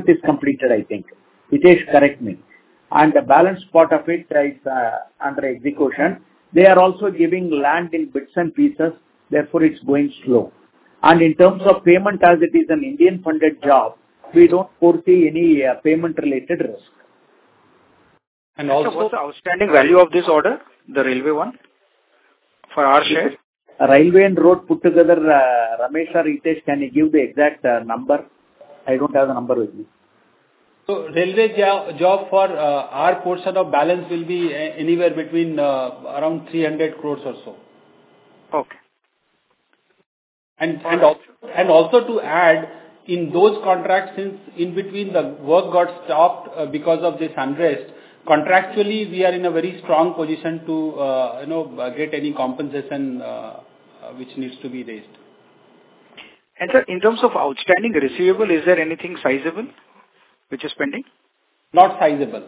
is completed, I think. Hitesh, correct me. And the balance part of it is under execution. They are also giving land in bits and pieces. Therefore, it's going slow. And in terms of payment, as it is an Indian-funded job, we don't foresee any payment-related risk. And also what's the outstanding value of this order, the railway one, for our share? Railway and road put together, Ramesh or Hitesh, can you give the exact number? I don't have the number with me. So railway job for our portion of balance will be anywhere between around 300 crores or so. Okay. And also to add, in those contracts, since in between the work got stopped because of this unrest, contractually, we are in a very strong position to get any compensation which needs to be raised. And sir, in terms of outstanding receivable, is there anything sizable which is pending? Not sizable.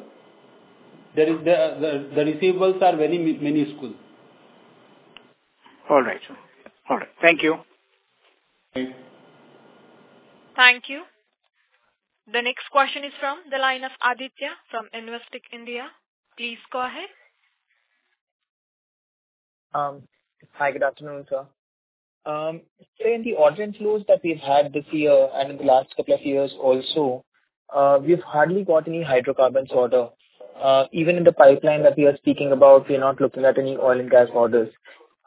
The receivables are very minuscule. All right, sir. All right. Thank you. Thank you. The next question is from the line of Aditya from Investec India. Please go ahead. Hi. Good afternoon, sir. So in the order flows that we've had this year and in the last couple of years also, we've hardly got any hydrocarbons order. Even in the pipeline that we are speaking about, we're not looking at any oil and gas orders.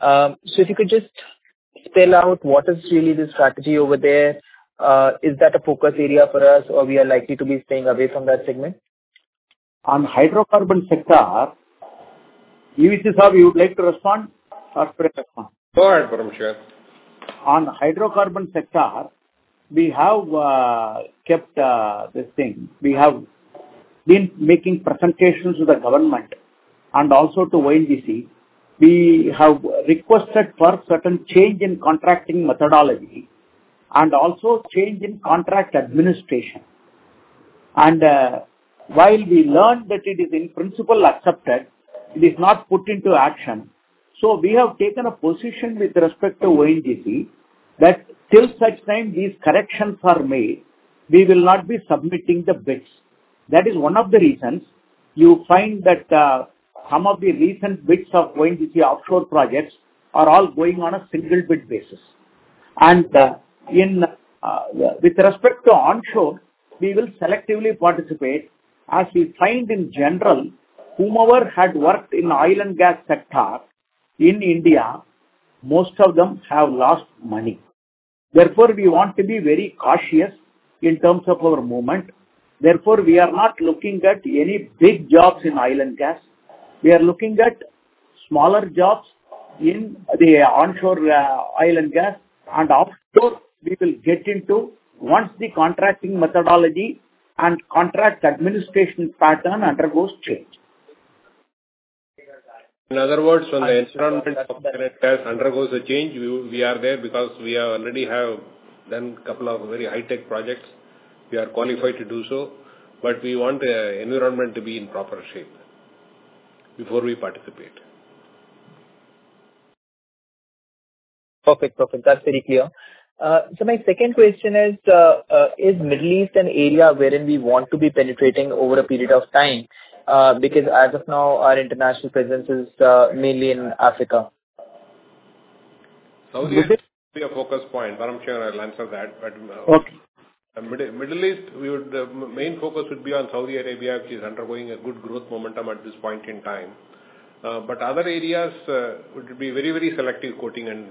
So if you could just spell out what is really the strategy over there, is that a focus area for us, or we are likely to be staying away from that segment? On hydrocarbon sector, you would like to respond or correct us? Go ahead, Paramasivan. On hydrocarbon sector, we have kept this thing. We have been making presentations to the government and also to ONGC. We have requested for certain change in contracting methodology and also change in contract administration. And while we learned that it is in principle accepted, it is not put into action. We have taken a position with respect to ONGC that till such time these corrections are made, we will not be submitting the bids. That is one of the reasons you find that some of the recent bids of ONGC offshore projects are all going on a single bid basis. With respect to onshore, we will selectively participate as we find in general, whomever had worked in oil and gas sector in India, most of them have lost money. Therefore, we want to be very cautious in terms of our movement. Therefore, we are not looking at any big jobs in oil and gas. We are looking at smaller jobs in the onshore oil and gas. Offshore, we will get into once the contracting methodology and contract administration pattern undergoes change. In other words, when the environment of oil and gas undergoes a change, we are there because we already have done a couple of very high-tech projects. We are qualified to do so. But we want the environment to be in proper shape before we participate. Perfect. Perfect. That's very clear. So my second question is, is the Middle East an area wherein we want to be penetrating over a period of time? Because as of now, our international presence is mainly in Africa. Saudi Arabia is a focus point. Paramasivan, I'll answer that. But Middle East, the main focus would be on Saudi Arabia, which is undergoing a good growth momentum at this point in time. But other areas, it would be very, very selective quoting and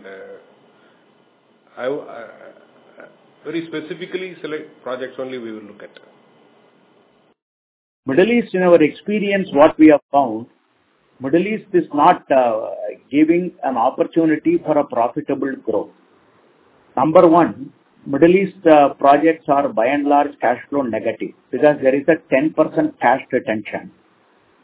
very specifically select projects only we will look at. Middle East, in our experience, what we have found, Middle East is not giving an opportunity for a profitable growth. Number one, Middle East projects are by and large cash flow negative because there is a 10% cash retention.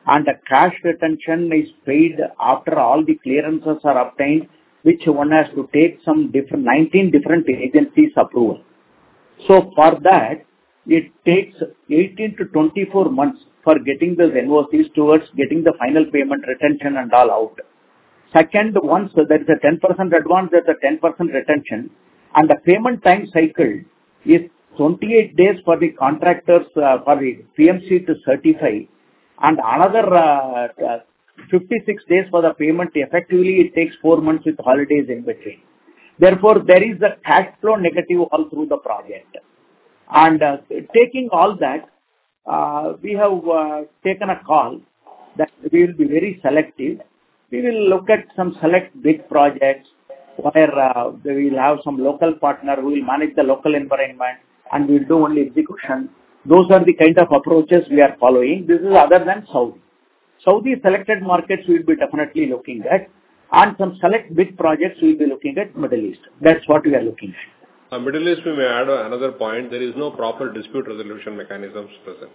And the cash retention is paid after all the clearances are obtained, which one has to take some 19 different agencies' approval. So for that, it takes 18-24 months for getting those invoices towards getting the final payment retention and all out. Second, once there is a 10% advance, there's a 10% retention. And the payment time cycle is 28 days for the contractors, for the PMC to certify, and another 56 days for the payment. Effectively, it takes four months with holidays in between. Therefore, there is a cash flow negative all through the project. Taking all that, we have taken a call that we will be very selective. We will look at some select big projects where we will have some local partner who will manage the local environment, and we'll do only execution. Those are the kind of approaches we are following. This is other than Saudi. Saudi selected markets we'll be definitely looking at. Some select big projects we'll be looking at Middle East. That's what we are looking at. Middle East, maybe I'll add another point. There is no proper dispute resolution mechanisms present.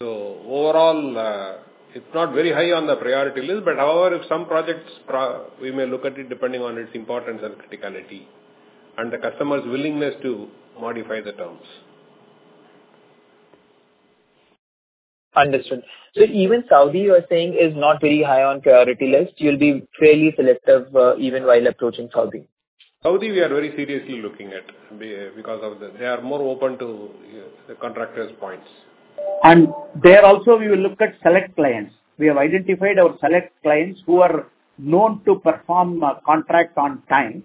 Overall, it's not very high on the priority list. But however, if some projects, we may look at it depending on its importance and criticality and the customer's willingness to modify the terms. Understood. Even Saudi, you are saying, is not very high on priority list. You'll be fairly selective even while approaching Saudi. Saudi, we are very seriously looking at because they are more open to the contractor's points. And there also, we will look at select clients. We have identified our select clients who are known to perform a contract on time.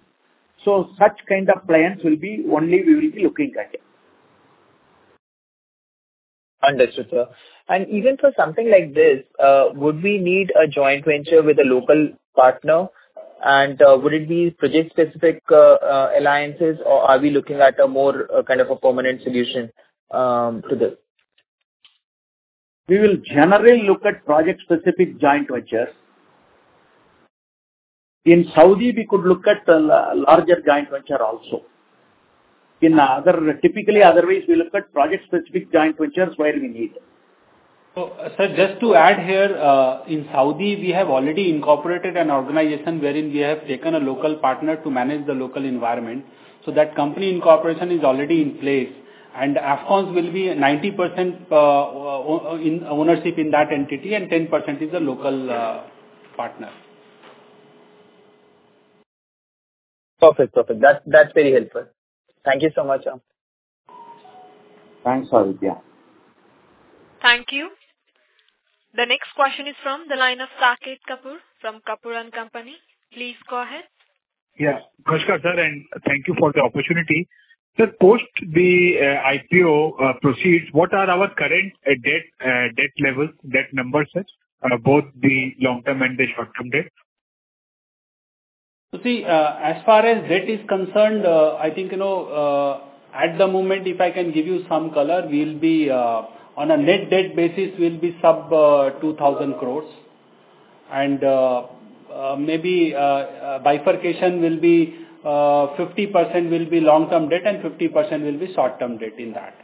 So such kind of clients will be only we will be looking at. Understood, sir. And even for something like this, would we need a joint venture with a local partner? And would it be project-specific alliances, or are we looking at a more kind of a permanent solution to this? We will generally look at project-specific joint ventures. In Saudi, we could look at a larger joint venture also. Typically, otherwise, we look at project-specific joint ventures where we need it. Sir, just to add here, in Saudi, we have already incorporated an organization wherein we have taken a local partner to manage the local environment. So that company incorporation is already in place. And Afcons will be 90% ownership in that entity, and 10% is the local partner. Perfect. Perfect. That's very helpful. Thank you so much, sir. Thanks, Aditya. Thank you. The next question is from the line of Saket Kapoor from Kapoor & Company. Please go ahead. Yes. Namaskar, sir, and thank you for the opportunity. Sir, post the IPO proceeds, what are our current debt levels, debt numbers, both the long-term and the short-term debt? So see, as far as debt is concerned, I think at the moment, if I can give you some color, we'll be on a net debt basis, we'll be sub 2,000 crores. And maybe bifurcation will be 50% long-term debt and 50% short-term debt in that.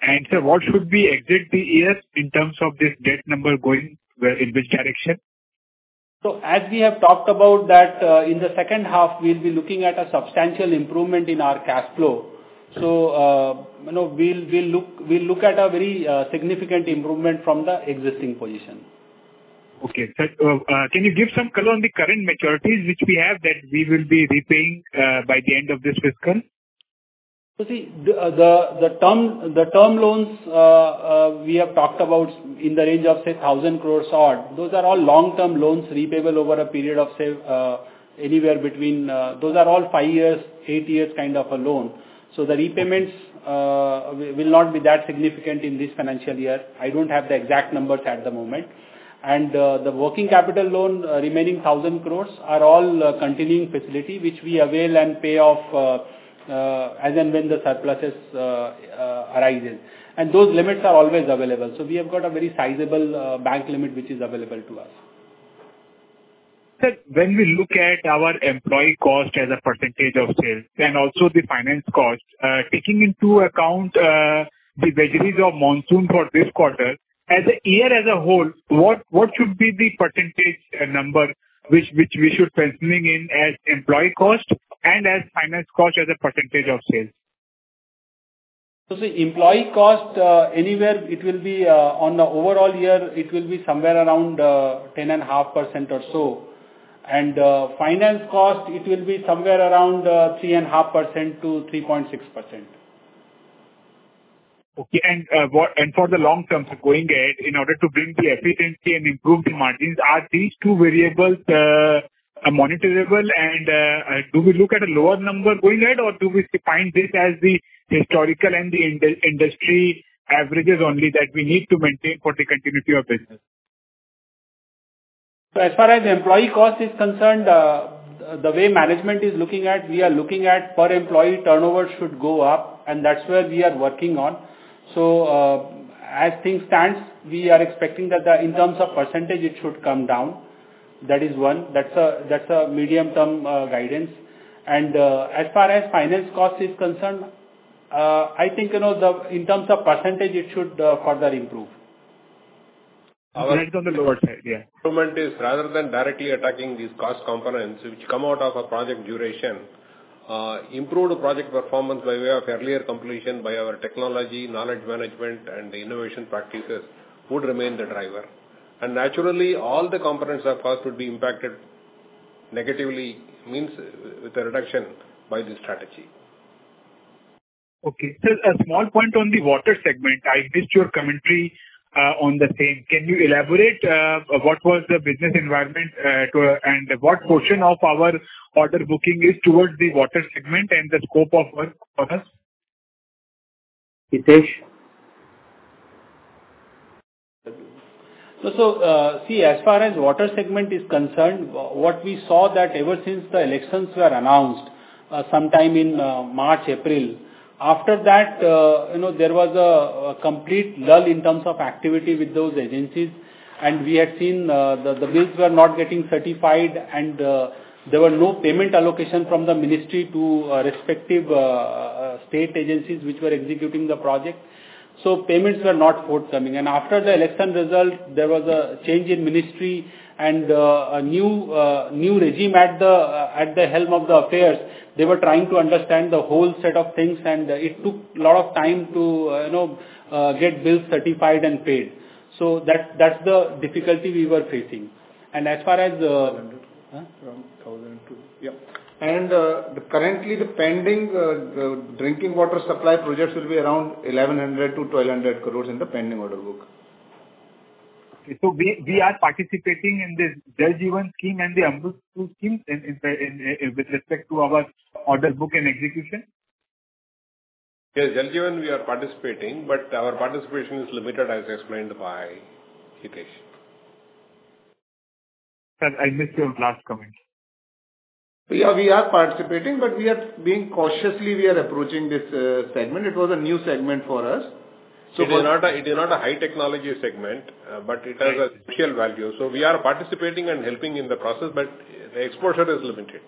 And sir, what should we exit the year in terms of this debt number going in which direction? So as we have talked about that, in the second half, we'll be looking at a substantial improvement in our cash flow. So we'll look at a very significant improvement from the existing position. Okay. Can you give some color on the current maturities which we have that we will be repaying by the end of this fiscal? So see, the term loans we have talked about in the range of, say, 1,000 crores or so, those are all long-term loans repayable over a period of, say, anywhere between those are all 5 years, 8 years kind of a loan. So the repayments will not be that significant in this financial year. I don't have the exact numbers at the moment. And the working capital loan remaining 1,000 crores are all continuing facility which we avail and pay off as and when the surplus arises. And those limits are always available. So we have got a very sizable bank limit which is available to us. When we look at our employee cost as a percentage of sales and also the finance cost, taking into account the vagaries of monsoon for this quarter, as a year as a whole, what should be the percentage number which we should be penciling in as employee cost and as finance cost as a percentage of sales? So see, employee cost anywhere, it will be on the overall year, it will be somewhere around 10.5% or so. And finance cost, it will be somewhere around 3.5%-3.6. For the long-term going ahead, in order to bring the efficiency and improve the margins, are these two variables monitorable? And do we look at a lower number going ahead, or do we define this as the historical and the industry averages only that we need to maintain for the continuity of business? So as far as employee cost is concerned, the way management is looking at, we are looking at per employee turnover should go up. And that's where we are working on. So as things stand, we are expecting that in terms of percentage, it should come down. That is one. That's a medium-term guidance. And as far as finance cost is concerned, I think in terms of percentage, it should further improve. Right on the lower side. Yeah. Improvement is rather than directly attacking these cost components which come out of a project duration. Improved project performance by way of earlier completion by our technology, knowledge management, and innovation practices would remain the driver. And naturally, all the components of cost would be impacted negatively with a reduction by this strategy. Okay. Sir, a small point on the water segment. I missed your commentary on the same. Can you elaborate what was the business environment and what portion of our order booking is towards the water segment and the scope of work for us? Hitesh. So see, as far as water segment is concerned, what we saw that ever since the elections were announced sometime in March, April, after that, there was a complete lull in terms of activity with those agencies. And we had seen the bids were not getting certified, and there were no payment allocations from the ministry to respective state agencies which were executing the project. Payments were not forthcoming. After the election result, there was a change in ministry and a new regime at the helm of the affairs. They were trying to understand the whole set of things, and it took a lot of time to get bids certified and paid. That's the difficulty we were facing. And as far as. From 2002. Yeah. Currently, the pending drinking water supply projects will be around 1,100-1,200 crores in the pending order book. We are participating in this Jal Jeevan scheme and the AMRUT 2 scheme with respect to our order book and execution? Yes. Jal Jeevan, we are participating, but our participation is limited as explained by Hitesh. Sir, I missed your last comment. Yeah. We are participating, but we are being cautiously approaching this segment. It was a new segment for us. So it is not a high-technology segment, but it has a special value. So we are participating and helping in the process, but the exposure is limited.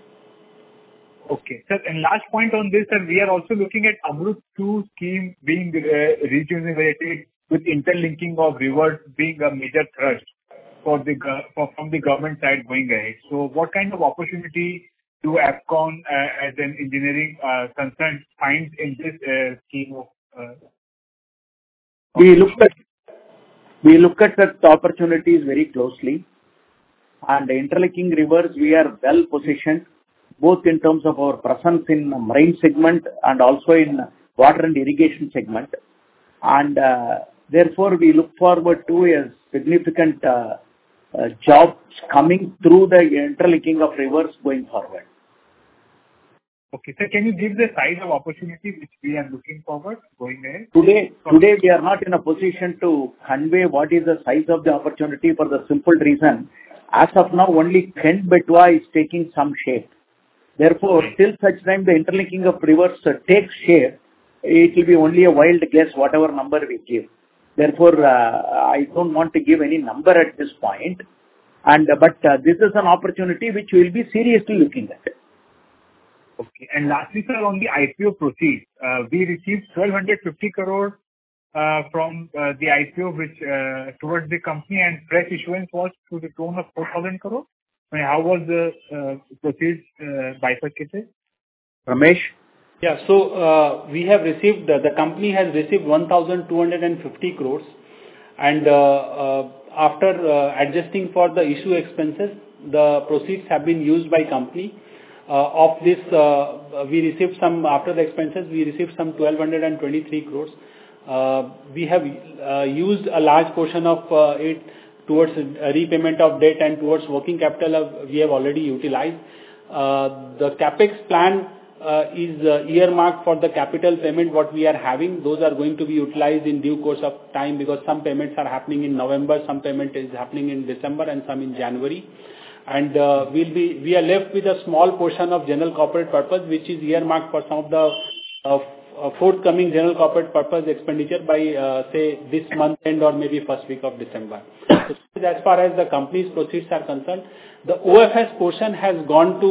Okay. Sir, and last point on this, sir, we are also looking at AMRUT 2.0 scheme being regionally related with interlinking of rivers being a major thrust from the government side going ahead. So what kind of opportunity do Afcons as an engineering concern find in this scheme of... We look at the opportunities very closely. And the interlinking rivers, we are well positioned both in terms of our presence in the marine segment and also in the water and irrigation segment. And therefore, we look forward to significant jobs coming through the interlinking of rivers going forward. Okay. Sir, can you give the size of opportunity which we are looking forward going ahead? Today, we are not in a position to convey what is the size of the opportunity for the simple reason. As of now, only Ken-Betwa is taking some shape. Therefore, till such time, the interlinking of rivers takes shape. It will be only a wild guess, whatever number we give. Therefore, I don't want to give any number at this point. But this is an opportunity which we'll be seriously looking at. Okay. Lastly, sir, on the IPO proceeds, we received 1,250 crores from the IPO towards the company, and fresh issuance was to the tune of 4,000 crores. How was the proceeds bifurcated? Ramesh? Yeah. So we have received the company has received 1,250 crores. And after adjusting for the issue expenses, the proceeds have been used by company. Of this, after the expenses, we received 1,223 crores. We have used a large portion of it towards repayment of debt and towards working capital we have already utilized. The CAPEX plan is earmarked for the capital payment what we are having. Those are going to be utilized in due course of time because some payments are happening in November, some payment is happening in December, and some in January. And we are left with a small portion of general corporate purpose which is earmarked for some of the forthcoming general corporate purpose expenditure by, say, this month end or maybe first week of December. So as far as the company's proceeds are concerned, the OFS portion has gone to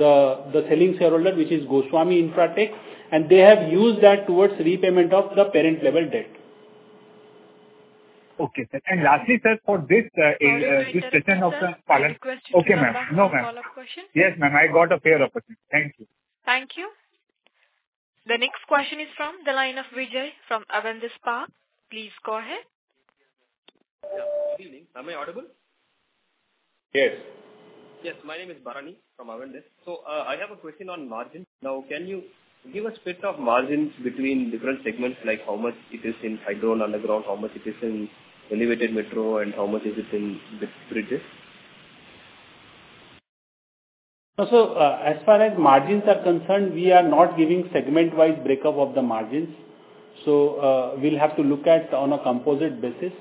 the selling shareholder which is Goswami Infratech, and they have used that towards repayment of the parent-level debt. Okay. And lastly, sir, for this session of the. Okay. Question.Okay, ma'am. No, ma'am. Follow-up question? Yes, ma'am. I got a fair opportunity. Thank you. Thank you. The next question is from the line of Vijay from Avendus Spark. Please go ahead. Good evening. Am I audible? Yes. Yes. My name is Barani from Avendus. So I have a question on margins. Now, can you give a split of margins between different segments, like how much it is in hydro and underground, how much it is in elevated metro, and how much is it in bridges? So as far as margins are concerned, we are not giving segment-wise breakup of the margins. So we'll have to look at on a composite basis.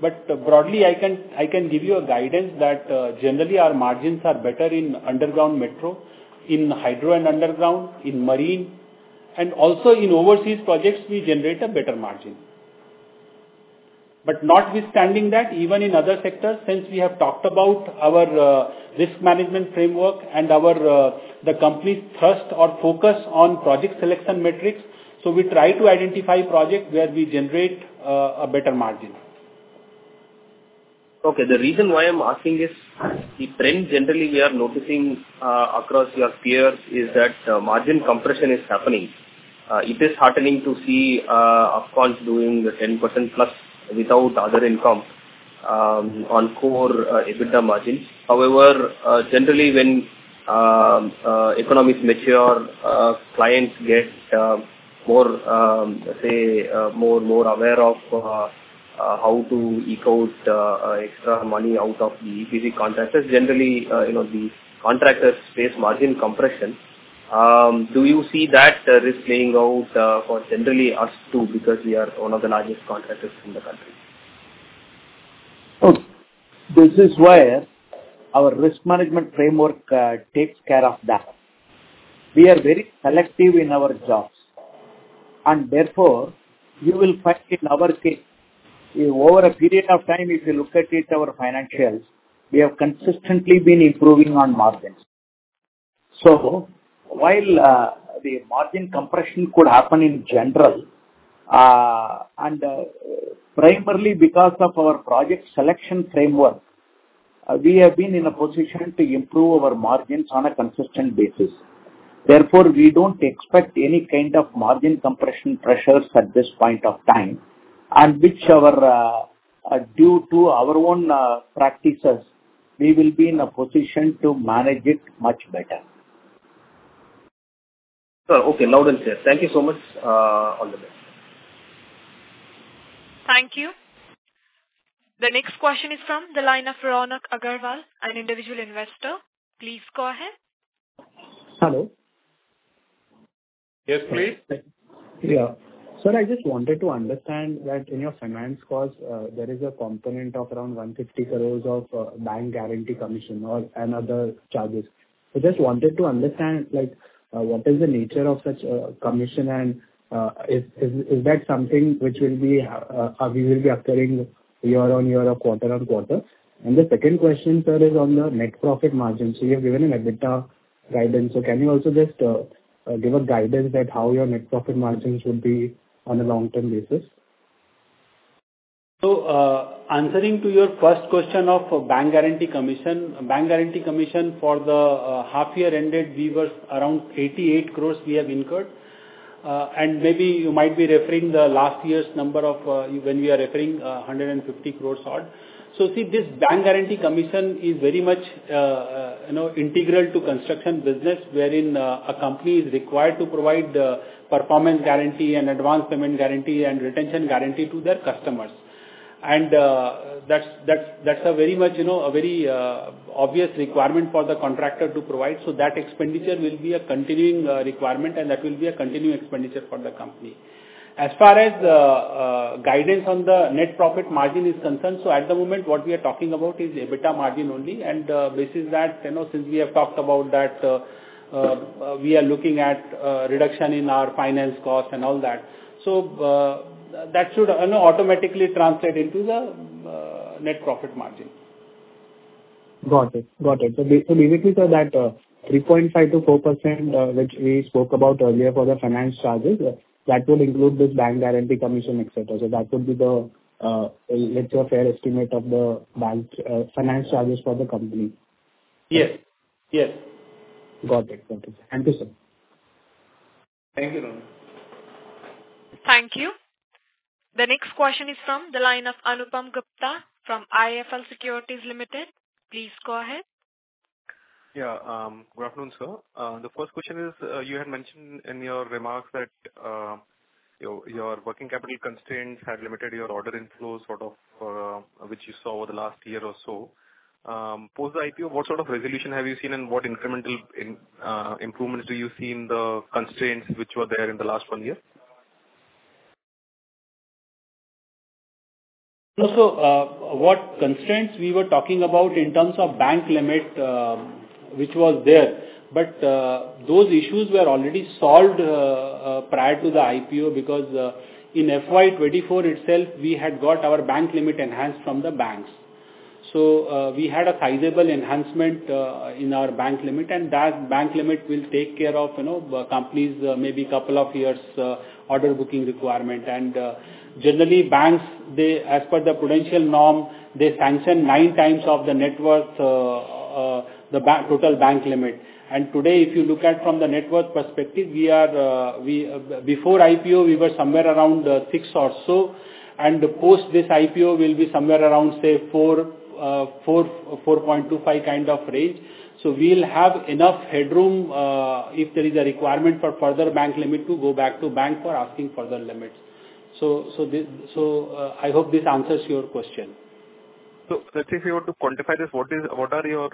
But broadly, I can give you a guidance that generally, our margins are better in underground metro, in hydro and underground, in marine, and also in overseas projects, we generate a better margin. But notwithstanding that, even in other sectors, since we have talked about our risk management framework and the company's thrust or focus on project selection metrics, so we try to identify projects where we generate a better margin. Okay. The reason why I'm asking is the trend generally we are noticing across your peers is that margin compression is happening. It is heartening to see Afcons doing 10% plus without other income on core EBITDA margins. However, generally, when economies mature, clients get more, say, more aware of how to eke out extra money out of the EPC contractors. Generally, the contractors face margin compression. Do you see that risk playing out for generally us too because we are one of the largest contractors in the country? This is where our risk management framework takes care of that. We are very selective in our jobs. And therefore, you will find in our case, over a period of time, if you look at it, our financials, we have consistently been improving on margins. So while the margin compression could happen in general, and primarily because of our project selection framework, we have been in a position to improve our margins on a consistent basis. Therefore, we don't expect any kind of margin compression pressures at this point of time. And which, due to our own practices, we will be in a position to manage it much better. Sir, okay. Now, thank you so much on the list. Thank you. The next question is from the line of Rohan Agarwal, an individual investor. Please go ahead. Hello. Yes, please. Yeah. Sir, I just wanted to understand that in your finance costs, there is a component of around 150 crores of bank guarantee commission or other charges. I just wanted to understand what is the nature of such a commission, and is that something which will be occurring year on year or quarter-on-quarter? And the second question, sir, is on the net profit margin. So you have given an EBITDA guidance. So can you also just give a guidance at how your net profit margins would be on a long-term basis? So answering to your first question of bank guarantee commission, bank guarantee commission for the half-year ended, we were around 88 crores we have incurred. And maybe you might be referring to the last year's number when we are referring 150 crores odd. So see, this bank guarantee commission is very much integral to construction business, wherein a company is required to provide the performance guarantee and advance payment guarantee and retention guarantee to their customers. That's a very obvious requirement for the contractor to provide. So that expenditure will be a continuing requirement, and that will be a continuing expenditure for the company. As far as guidance on the net profit margin is concerned, so at the moment, what we are talking about is EBITDA margin only. And the basis that since we have talked about that, we are looking at reduction in our finance cost and all that. So that should automatically translate into the net profit margin. Got it. Got it. So basically, sir, that 3.5%-4% which we spoke about earlier for the finance charges, that would include this bank guarantee commission, etc. So that would be the fair estimate of the bank finance charges for the company. Yes. Yes. Got it. Got it. Thank you, sir. Thank you, Rohan. Thank you. The next question is from the line of Anupam Gupta from IIFL Securities Limited. Please go ahead. Yeah. Good afternoon, sir. The first question is you had mentioned in your remarks that your working capital constraints had limited your order inflows sort of which you saw over the last year or so. Post the IPO, what sort of resolution have you seen, and what incremental improvements do you see in the constraints which were there in the last one year? So what constraints we were talking about in terms of bank limit which was there, but those issues were already solved prior to the IPO because in FY24 itself, we had got our bank limit enhanced from the banks. So we had a sizable enhancement in our bank limit, and that bank limit will take care of the company's maybe couple of years order booking requirement. And generally, banks, as per the prudential norm, they sanction nine times of the net worth, the total bank limit. And today, if you look at from the net worth perspective, before IPO, we were somewhere around six or so. And post this IPO, we'll be somewhere around, say, 4.25 kind of range. So we'll have enough headroom if there is a requirement for further bank limit to go back to bank for asking for the limits. So I hope this answers your question. So if you were to quantify this, what are your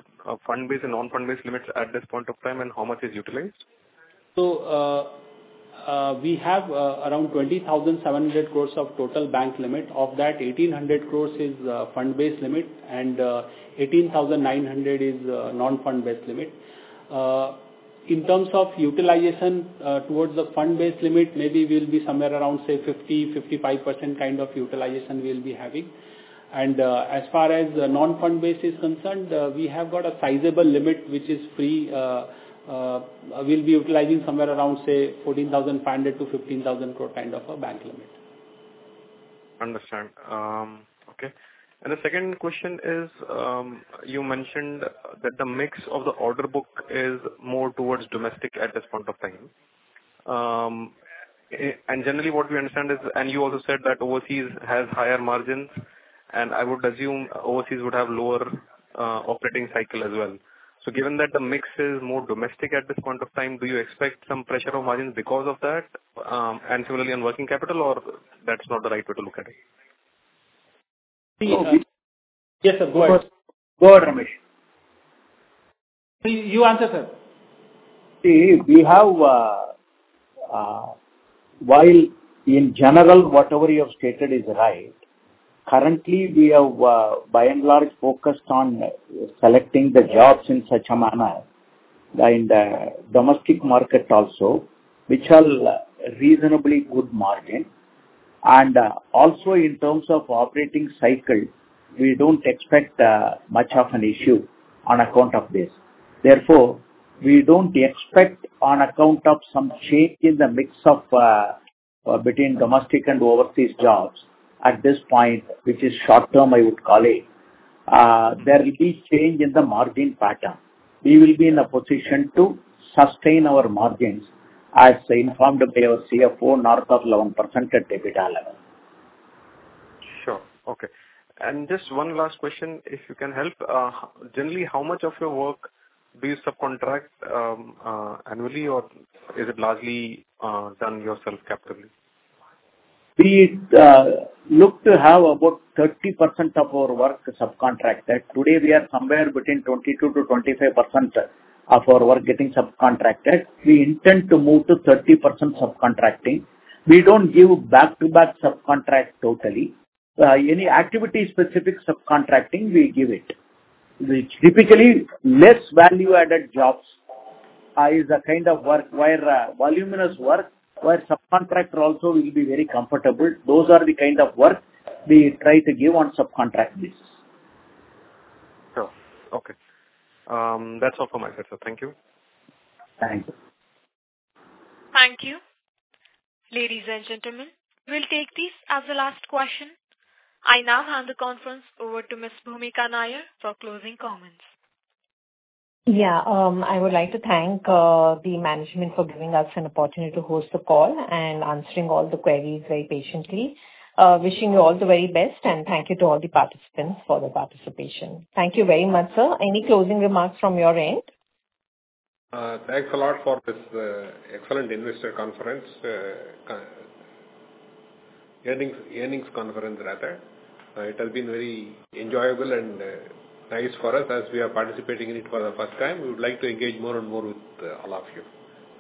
fund-based and non-fund-based limits at this point of time, and how much is utilized? So we have around 20,700 crores of total bank limit. Of that, 1,800 crores is fund-based limit, and 18,900 is non-fund-based limit. In terms of utilization towards the fund-based limit, maybe we'll be somewhere around, say, 50%-55 kind of utilization we'll be having. And as far as non-fund-based is concerned, we have got a sizable limit which is free. We'll be utilizing somewhere around, say, 14,500-15,000 crore kind of a bank limit. Understand. Okay. And the second question is you mentioned that the mix of the order book is more towards domestic at this point of time. And generally, what we understand is, and you also said that overseas has higher margins, and I would assume overseas would have lower operating cycle as well. So given that the mix is more domestic at this point of time, do you expect some pressure of margins because of that, and similarly on working capital, or that's not the right way to look at it? Yes, sir. Go ahead. Go ahead, Ramesh. You answer, sir. We have, while in general, whatever you have stated is right, currently, we have by and large focused on selecting the jobs in such a manner in the domestic market also, which are reasonably good margin, and also, in terms of operating cycle, we don't expect much of an issue on account of this. Therefore, we don't expect on account of some change in the mix between domestic and overseas jobs at this point, which is short term, I would call it, there will be change in the margin pattern. We will be in a position to sustain our margins as informed by our CFO, north of 11% at EBITDA level. Sure. Okay, and just one last question, if you can help. Generally, how much of your work do you subcontract annually, or is it largely done yourself capitally? We look to have about 30% of our work subcontracted. Today, we are somewhere between 22%-25 of our work getting subcontracted. We intend to move to 30% subcontracting. We don't give back-to-back subcontract totally. Any activity-specific subcontracting, we give it. Typically, less value-added jobs is a kind of work where voluminous work, where subcontractor also will be very comfortable. Those are the kind of work we try to give on subcontract basis. Sure. Okay. That's all from my side, sir. Thank you. Thank you. Thank you. Ladies and gentlemen, we'll take these as the last question. I now hand the conference over to Ms. Bhumika Nair for closing comments. Yeah. I would like to thank the management for giving us an opportunity to host the call and answering all the queries very patiently. Wishing you all the very best, and thank you to all the participants for their participation. Thank you very much, sir. Any closing remarks from your end? Thanks a lot for this excellent investor conference, earnings conference, rather. It has been very enjoyable and nice for us as we are participating in it for the first time. We would like to engage more and more with all of you.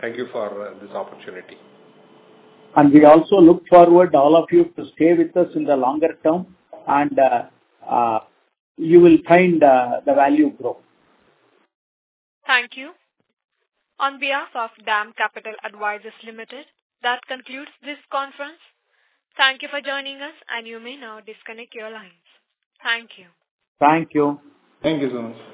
Thank you for this opportunity. And we also look forward to all of you to stay with us in the longer term, and you will find the value growth. Thank you. On behalf of DAM Capital Advisors Limited, that concludes this conference. Thank you for joining us, and you may now disconnect your lines. Thank you. Thank you. Thank you so much.